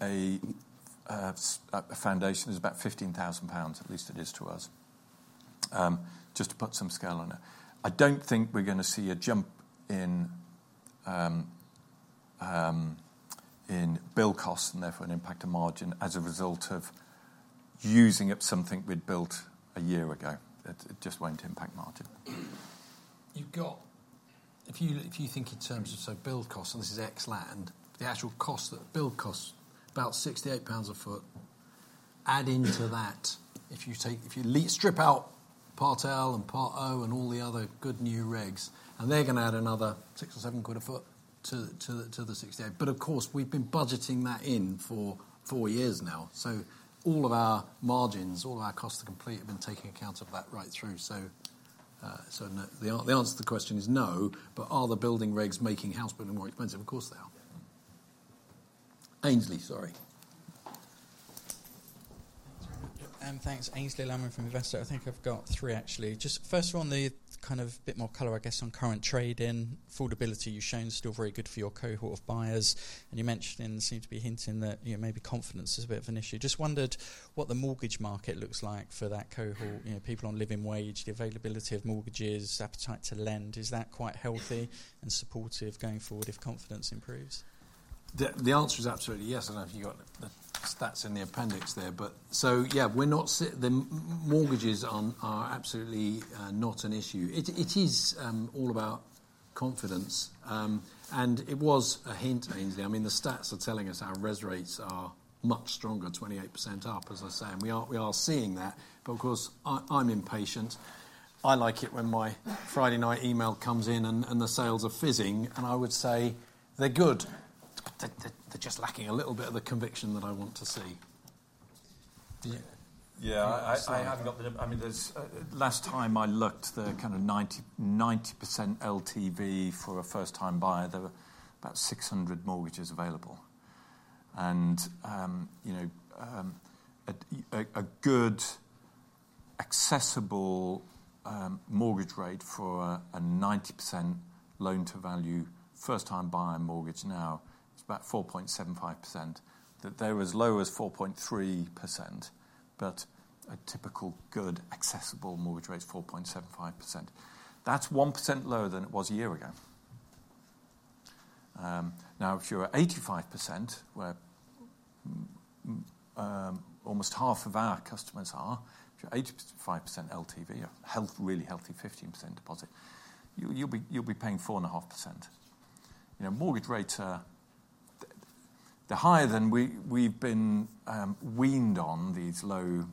Speaker 2: a foundation is about 15,000 pounds, at least it is to us, just to put some scale on it. I don't think we're gonna see a jump in bill costs, and therefore an impact to margin as a result of using up something we'd built a year ago. It just won't impact margin.
Speaker 1: You've got. If you think in terms of, so build costs, and this is ex land, the actual cost, that build costs about 68 pounds per sq ft. Add into that, if you take, strip out Part L and Part O and all the other good new regs, and they're gonna add another 6-7 quid per sq ft to the 68. But of course, we've been budgeting that in for four years now. So all of our margins, all of our costs to complete, have been taking account of that right through. So the answer to the question is no, but are the building regs making house building more expensive? Of course, they are. Aynsley, sorry.
Speaker 5: Thanks, Aynsley Lammin from Investec. I think I've got three, actually. Just first of all, on the kind of bit more color, I guess, on current trade-in affordability, you've shown still very good for your cohort of buyers. And you mentioned and seemed to be hinting that, you know, maybe confidence is a bit of an issue. Just wondered what the mortgage market looks like for that cohort, you know, people on living wage, the availability of mortgages, appetite to lend, is that quite healthy and supportive going forward if confidence improves?
Speaker 1: The answer is absolutely yes, and I know you got the stats in the appendix there, but. So yeah, we're not. The mortgages are absolutely not an issue. It is all about confidence, and it was a hint, Aynsley. I mean, the stats are telling us our res rates are much stronger, 28% up, as I say, and we are seeing that. But of course, I'm impatient. I like it when my Friday night email comes in and the sales are fizzing, and I would say they're good. They're just lacking a little bit of the conviction that I want to see.
Speaker 2: Yeah, I have got the—I mean, there's last time I looked, the kind of 90% LTV for a first-time buyer, there were about 600 mortgages available. And you know, a good, accessible mortgage rate for a 90% loan-to-value first-time buyer mortgage now is about 4.75%. That they're as low as 4.3%, but a typical good, accessible mortgage rate is 4.75%. That's 1% lower than it was a year ago. Now, if you're at 85%, where almost half of our customers are, if you're 85% LTV, a healthy—really healthy 15% deposit, you'll be paying 4.5%. You know, mortgage rates are, they're higher than we've been weaned on these low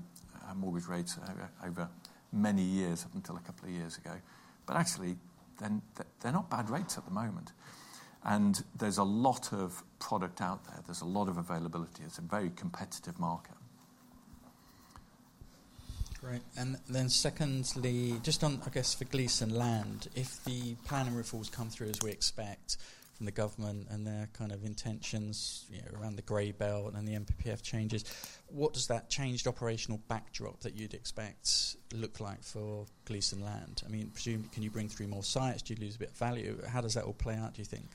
Speaker 2: mortgage rates over many years, up until a couple of years ago. But actually, then, they're not bad rates at the moment. And there's a lot of product out there. There's a lot of availability. It's a very competitive market-...
Speaker 5: Great, and then secondly, just on, I guess, for Gleeson Land, if the planning reforms come through as we expect from the government and their kind of intentions, you know, around the Grey Belt and the NPPF changes, what does that changed operational backdrop that you'd expect look like for Gleeson Land? I mean, presumably, can you bring through more sites? Do you lose a bit of value? How does that all play out, do you think?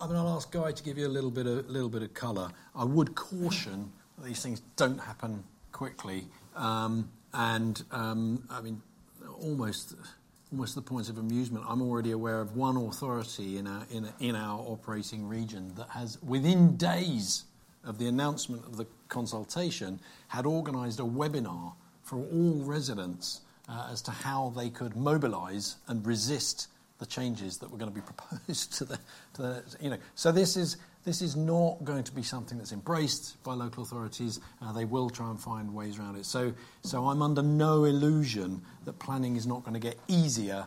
Speaker 1: I'm gonna ask Guy to give you a little bit of color. I would caution that these things don't happen quickly. And I mean, almost to the point of amusement, I'm already aware of one authority in our operating region that has, within days of the announcement of the consultation, had organized a webinar for all residents, as to how they could mobilize and resist the changes that were gonna be proposed to the. You know, so this is not going to be something that's embraced by local authorities. They will try and find ways around it. So I'm under no illusion that planning is not gonna get easier,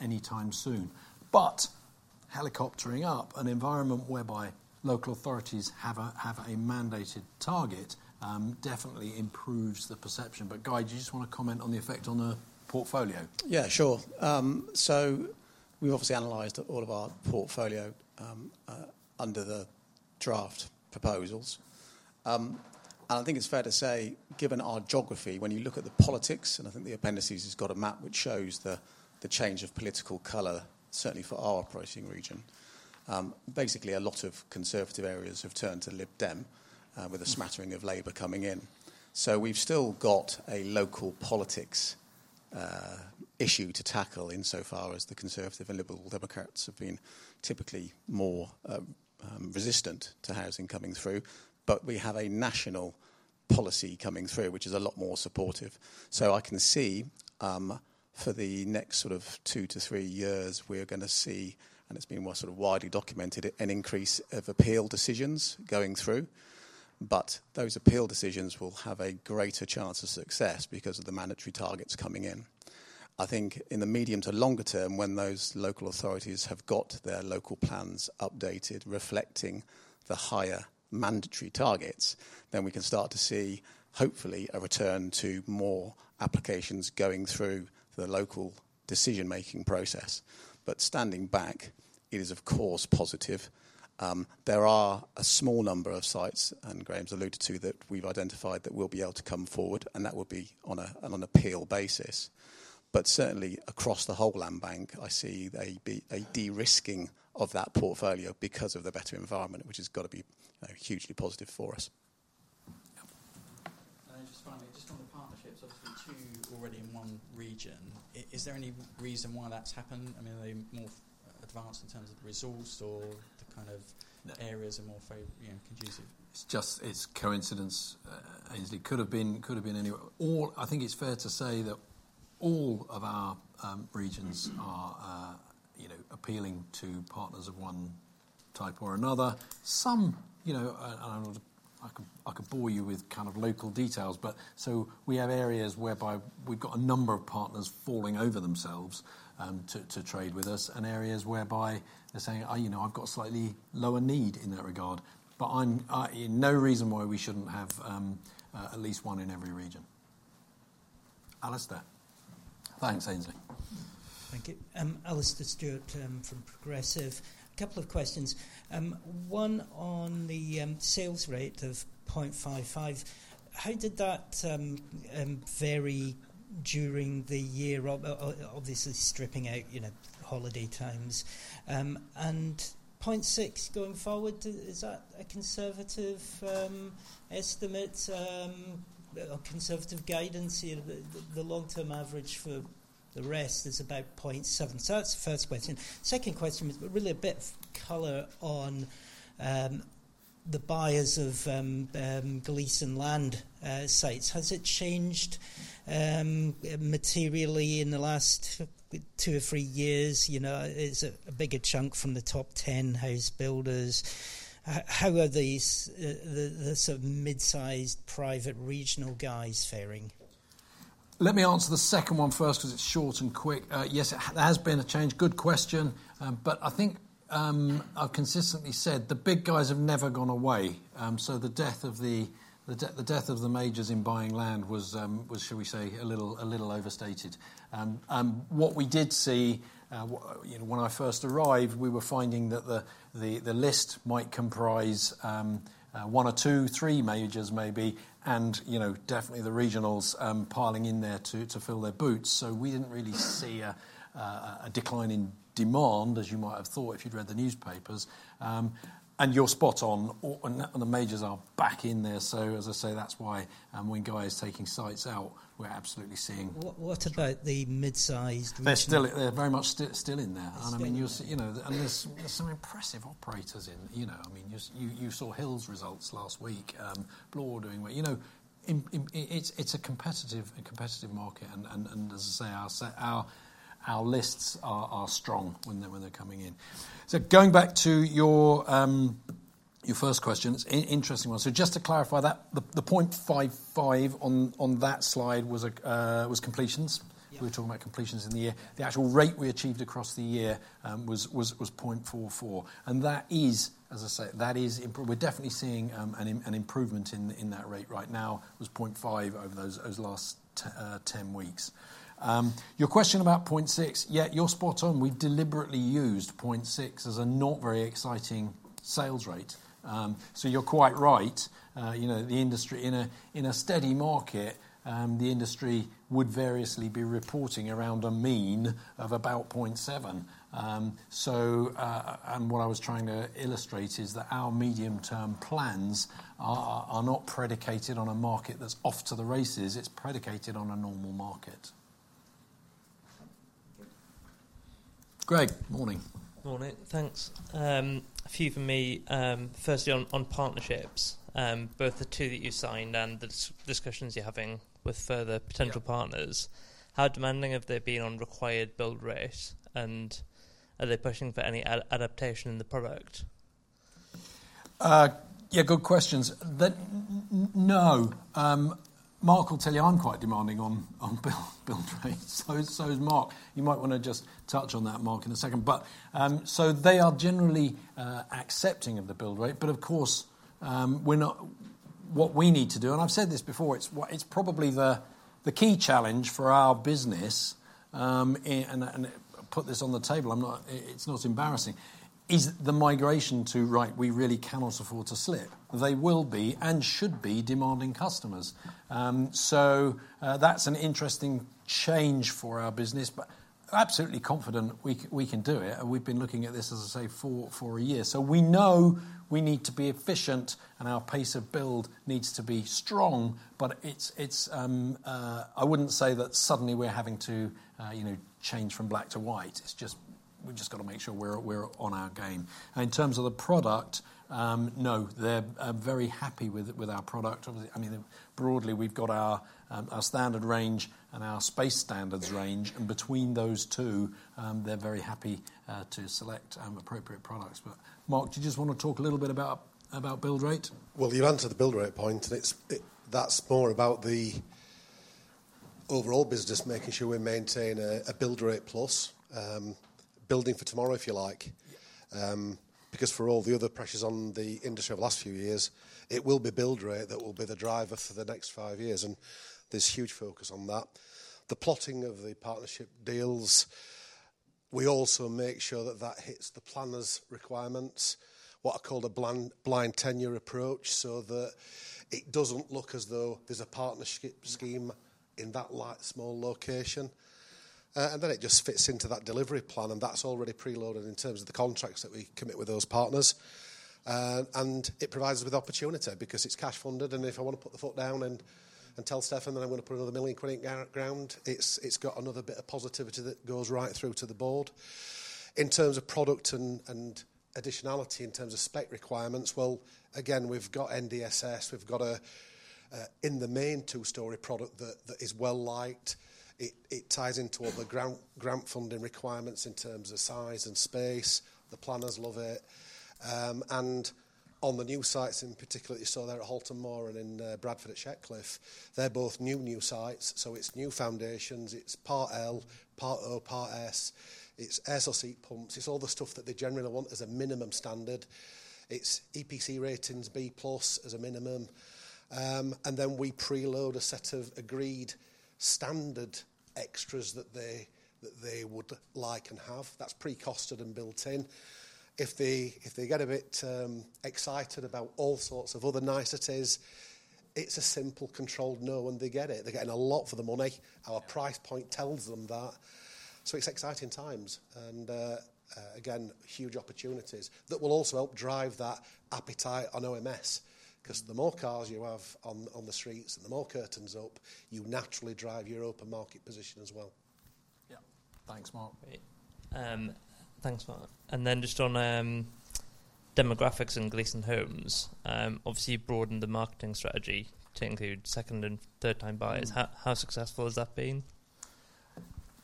Speaker 1: anytime soon. But helicoptering up, an environment whereby local authorities have a mandated target, definitely improves the perception. But, Guy, do you just want to comment on the effect on the portfolio?
Speaker 6: Yeah, sure. So we've obviously analyzed all of our portfolio under the draft proposals. I think it's fair to say, given our geography, when you look at the politics, and I think the appendices has got a map which shows the change of political color, certainly for our operating region, basically a lot of Conservative areas have turned to Lib Dem with a smattering of Labour coming in. We've still got a local politics issue to tackle insofar as the Conservative and Lib Dem have been typically more resistant to housing coming through, but we have a national policy coming through, which is a lot more supportive. So I can see, for the next sort of two to three years, we're gonna see, and it's been more sort of widely documented, an increase of appeal decisions going through, but those appeal decisions will have a greater chance of success because of the mandatory targets coming in. I think in the medium to longer term, when those local authorities have got their local plans updated, reflecting the higher mandatory targets, then we can start to see, hopefully, a return to more applications going through the local decision-making process. But standing back, it is of course positive. There are a small number of sites, and Graham's alluded to, that we've identified that will be able to come forward, and that would be on an appeal basis. But certainly across the whole land bank, I see a de-risking of that portfolio because of the better environment, which has got to be, you know, hugely positive for us.
Speaker 5: Just finally, just on the partnerships, obviously two already in one region. Is there any reason why that's happened? I mean, are they more advanced in terms of resource or the kind of areas are more, you know, conducive?
Speaker 1: It's just, it's coincidence. It could have been anywhere. I think it's fair to say that all of our regions are, you know, appealing to partners of one type or another. Some, you know, and I could bore you with kind of local details, but so we have areas whereby we've got a number of partners falling over themselves to trade with us, and areas whereby they're saying, "Oh, you know, I've got a slightly lower need in that regard." But I'm no reason why we shouldn't have at least one in every region. Alastair? Thanks, Aynsley.
Speaker 7: Thank you. Alastair Stewart from Progressive. Couple of questions. One on the sales rate of 0.55. How did that vary during the year, obviously stripping out, you know, holiday times? And 0.6, going forward, is that a conservative estimate or conservative guidance here? The long-term average for the rest is about 0.7. So that's the first question. Second question is really a bit of color on the buyers of Gleeson Land sites. Has it changed materially in the last two or three years? You know, it's a bigger chunk from the top ten house builders. How are these the sort of mid-sized, private, regional guys faring?
Speaker 1: Let me answer the second one first, 'cause it's short and quick. Yes, there has been a change. Good question. But I think I've consistently said the big guys have never gone away. So the death of the majors in buying land was, shall we say, a little overstated. And what we did see, you know, when I first arrived, we were finding that the list might comprise one or two, three majors maybe, and, you know, definitely the regionals piling in there to fill their boots. So we didn't really see a decline in demand, as you might have thought if you'd read the newspapers. And you're spot on, oh, and the majors are back in there. So as I say, that's why, when Guy is taking sites out, we're absolutely seeing-
Speaker 7: What, what about the mid-sized regional-
Speaker 1: They're very much still in there.
Speaker 7: Still in.
Speaker 1: I mean, you'll see, you know, and there's some impressive operators in, you know, I mean, you saw Hill's results last week, doing well. You know, it's a competitive market, and as I say, our lists are strong when they come. So going back to your first question, it's an interesting one. So just to clarify that, the 0.55 on that slide was completions. We were talking about completions in the year. The actual rate we achieved across the year was 0.44, and that is, as I say, that is improvement. We're definitely seeing an improvement in that rate right now. It was 0.5 over those last ten weeks. Your question about 0.6, yeah, you're spot on. We deliberately used 0.6 as a not very exciting sales rate. So you're quite right. You know, the industry in a steady market, the industry would variously be reporting around a mean of about 0.7. So and what I was trying to illustrate is that our medium-term plans are not predicated on a market that's off to the races, it's predicated on a normal market. Greg, morning. Morning. Thanks. A few from me. Firstly, on partnerships, both the two that you signed and the discussions you're having with further potential partners- Yeah... how demanding have they been on required build rate, and are they pushing for any adaptation in the product? Yeah, good questions. No. Mark will tell you, I'm quite demanding on build rates, so is Mark. You might want to just touch on that, Mark, in a second. They are generally accepting of the build rate, but of course, we're not. What we need to do, and I've said this before, it's what it's probably the key challenge for our business, and put this on the table, I'm not. It's not embarrassing, is the migration to, right, we really cannot afford to slip. They will be and should be demanding customers. That's an interesting change for our business, but absolutely confident we can do it, and we've been looking at this, as I say, for a year. So we know we need to be efficient, and our pace of build needs to be strong, but I wouldn't say that suddenly we're having to you know change from black to white. It's just we've just got to make sure we're on our game. In terms of the product, no, they're very happy with our product. I mean, broadly, we've got our standard range and our Space Standards Range, and between those two, they're very happy to select appropriate products. But Mark, do you just want to talk a little bit about build rate?
Speaker 8: You answered the build rate point, and it's, that's more about the overall business, making sure we maintain a build rate plus, building for tomorrow, if you like.
Speaker 1: Yeah.
Speaker 8: Because for all the other pressures on the industry over the last few years, it will be build rate that will be the driver for the next five years, and there's huge focus on that. The plotting of the partnership deals, we also make sure that that hits the planners' requirements, what I call the tenure-blind approach, so that it doesn't look as though there's a partnership scheme in that light, small location, and then it just fits into that delivery plan, and that's already preloaded in terms of the contracts that we commit with those partners, and it provides us with opportunity because it's cash funded, and if I want to put the foot down and, and tell Stefan that I'm going to put another 1 million quid in ground, it's, it's got another bit of positivity that goes right through to the board. In terms of product and additionality, in terms of spec requirements, well, again, we've got NDSS, we've got in the main, two-story product that is well liked. It ties into all the grant funding requirements in terms of size and space. The planners love it. And on the new sites, in particular, you saw there at Halton Moor and in Bradford they're both new sites, so it's new foundations, it's Part L, Part O, Part S, it's air source heat pumps. It's all the stuff that they generally want as a minimum standard. It's EPC ratings B plus as a minimum. And then we preload a set of agreed standard extras that they would like and have. That's pre-costed and built in. If they get a bit excited about all sorts of other niceties, it's a simple, controlled no, and they get it. They're getting a lot for the money. Our price point tells them that. So it's exciting times, and, again, huge opportunities that will also help drive that appetite on OMS. 'Cause the more cars you have on the streets and the more curtains up, you naturally drive your open market position as well.
Speaker 1: Yeah. Thanks, Mark. Thanks, Mark. And then just on demographics in Gleeson Homes, obviously, you've broadened the marketing strategy to include second- and third-time buyers. How successful has that been?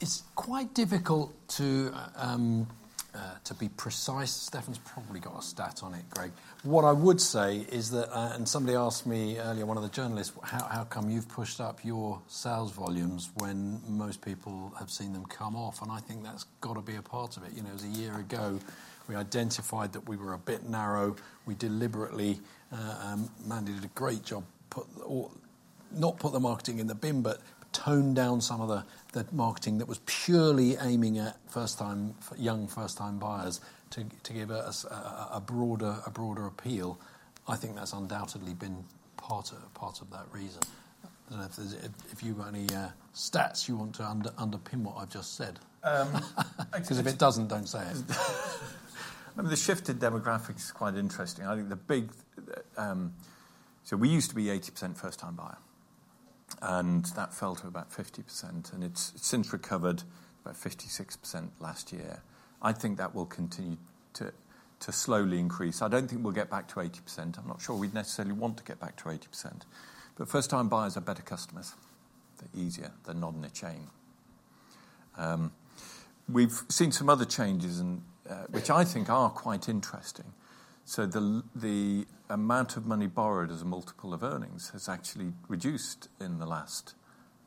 Speaker 1: It's quite difficult to be precise. Stefan's probably got a stat on it, Greg. What I would say is that, and somebody asked me earlier, one of the journalists: Well, how come you've pushed up your sales volumes when most people have seen them come off? And I think that's got to be a part of it. You know, it was a year ago, we identified that we were a bit narrow. We deliberately, Mandy did a great job, put all-- not put the marketing in the bin, but toned down some of the marketing that was purely aiming at first-time, young first-time buyers, to give us a broader appeal. I think that's undoubtedly been part of that reason. I don't know if there's if you've got any stats you want to underpin what I've just said.
Speaker 2: Um, actually-
Speaker 1: 'Cause if it doesn't, don't say it.
Speaker 2: I mean, the shift in demographics is quite interesting. I think the big, So we used to be 80% first-time buyer, and that fell to about 50%, and it's since recovered, about 56% last year. I think that will continue to slowly increase. I don't think we'll get back to 80%. I'm not sure we'd necessarily want to get back to 80%, but first-time buyers are better customers. They're easier than not in a chain. We've seen some other changes and, which I think are quite interesting. So the amount of money borrowed as a multiple of earnings has actually reduced in the last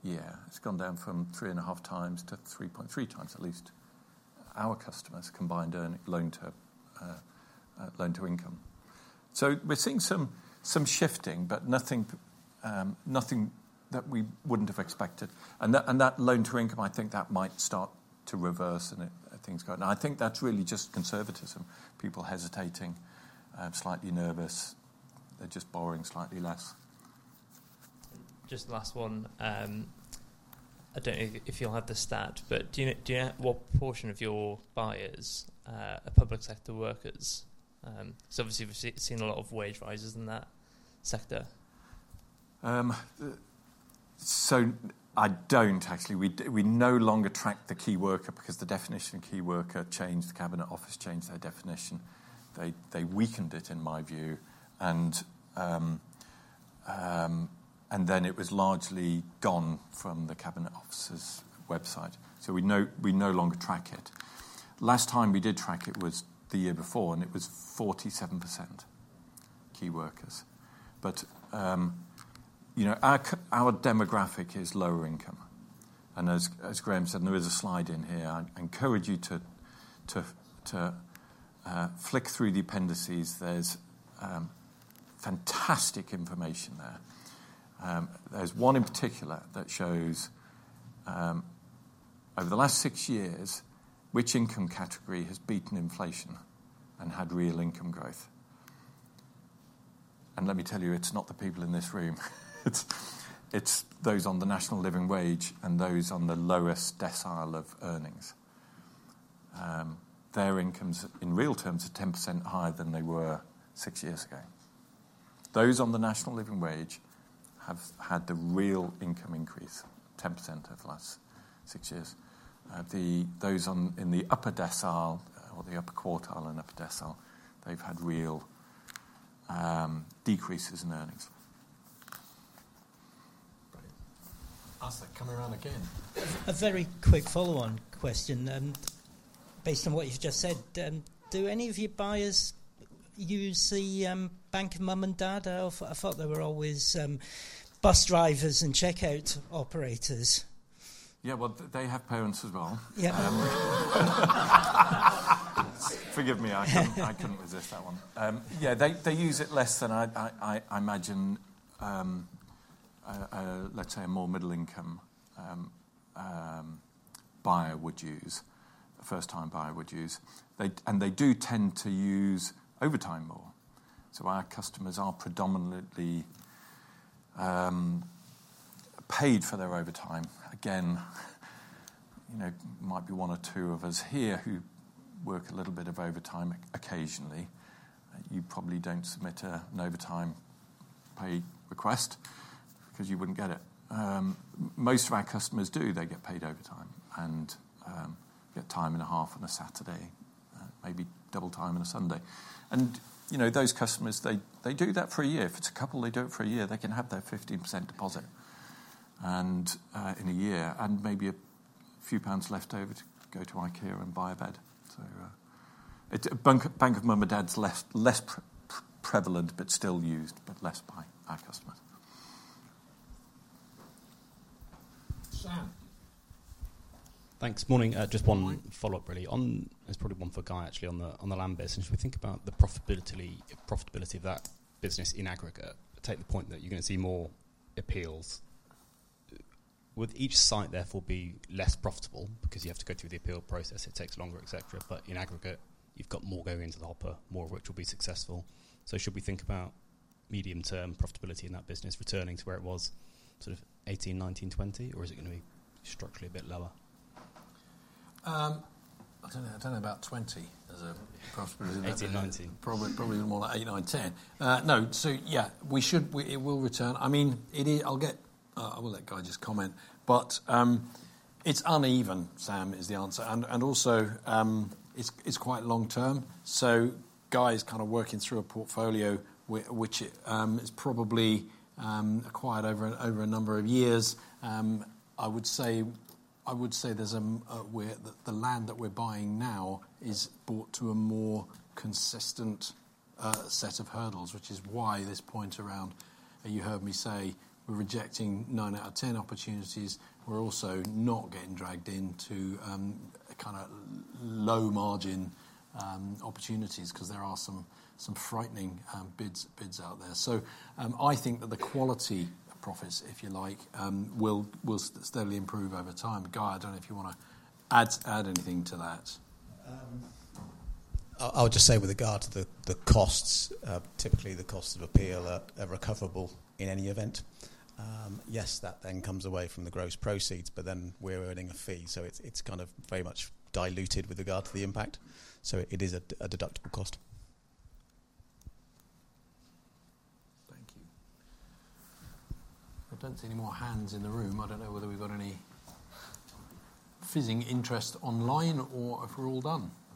Speaker 2: year. It's gone down from 3.5x to 3.3x, at least our customers' combined earnings loan-to-income. So we're seeing some shifting, but nothing that we wouldn't have expected. And that loan-to-income, I think that might start to reverse, and it as things go. And I think that's really just conservatism, people hesitating, slightly nervous. They're just borrowing slightly less. Just last one. I don't know if you'll have the stat, but do you know what proportion of your buyers are public sector workers? So obviously, we've seen a lot of wage rises in that sector. So I don't actually. We no longer track the key worker because the definition of key worker changed. The Cabinet Office changed their definition. They weakened it, in my view, and then it was largely gone from the Cabinet Office's website. So we no longer track it. Last time we did track it was the year before, and it was 47% key workers. But, you know, our demographic is lower income, and as Graham said, there is a slide in here. I'd encourage you to flick through the appendices. There's fantastic information there. There's one in particular that shows, over the last six years, which income category has beaten inflation and had real income growth. And let me tell you, it's not the people in this room. It's those on the National Living Wage and those on the lowest decile of earnings. Their incomes, in real terms, are 10% higher than they were six years ago. Those on the National Living Wage have had the real income increase, 10% over the last six years. Those on in the upper decile, or the upper quartile and upper decile, they've had real decreases in earnings.
Speaker 1: Right. Alastair, coming around again.
Speaker 7: A very quick follow-on question, based on what you've just said. Do any of your buyers use the bank of mum and dad? I thought they were always bus drivers and checkout operators.
Speaker 2: Yeah, well, they have parents as well.
Speaker 7: Yeah.
Speaker 2: Forgive me, I couldn't resist that one. Yeah, they use it less than I imagine, let's say a more middle-income buyer would use, a first-time buyer would use. They and they do tend to use overtime more, so our customers are predominantly paid for their overtime. Again, you know, might be one or two of us here who work a little bit of overtime occasionally. You probably don't submit an overtime pay request because you wouldn't get it. Most of our customers do, they get paid overtime, and get time and a half on a Saturday, maybe double time on a Sunday, and you know, those customers, they do that for a year. If it's a couple, they do it for a year, they can have their 15% deposit and, in a year, and maybe a few pounds left over to go to IKEA and buy a bed. So, it's bank of mum and dad's less prevalent, but still used, but less by our customers.
Speaker 1: Sam? Thanks. Morning, just one follow-up, really. On, it's probably one for Guy, actually, on the land business. When we think about the profitability of that business in aggregate. Take the point that you're going to see more appeals. Would each site, therefore, be less profitable because you have to go through the appeal process, it takes longer, et cetera, but in aggregate, you've got more going into the hopper, more of which will be successful. So should we think about medium-term profitability in that business returning to where it was, sort of 2018, 2019, 2020, or is it going to be structurally a bit lower? I don't know. I don't know about twenty as a profitability probably more like eight, nine, ten. No, so yeah, we should, we, it will return. I mean, it, I'll get. I will let Guy just comment, but it's uneven, Sam, is the answer. And also, it's quite long term. So Guy is kind of working through a portfolio which is probably acquired over a number of years. I would say there's a where the land that we're buying now is bought to a more consistent set of hurdles, which is why this point around, you heard me say, we're rejecting nine out of 10 opportunities. We're also not getting dragged into a kind of low margin opportunities, 'cause there are some frightening bids out there. I think that the quality of profits, if you like, will steadily improve over time. Guy, I don't know if you want to add anything to that.
Speaker 6: I'll just say with regard to the costs, typically, the costs of appeal are recoverable in any event. Yes, that then comes away from the gross proceeds, but then we're earning a fee, so it's kind of very much diluted with regard to the impact, so it is a deductible cost. Thank you.
Speaker 1: I don't see any more hands in the room. I don't know whether we've got any fizzing interest online or if we're all done?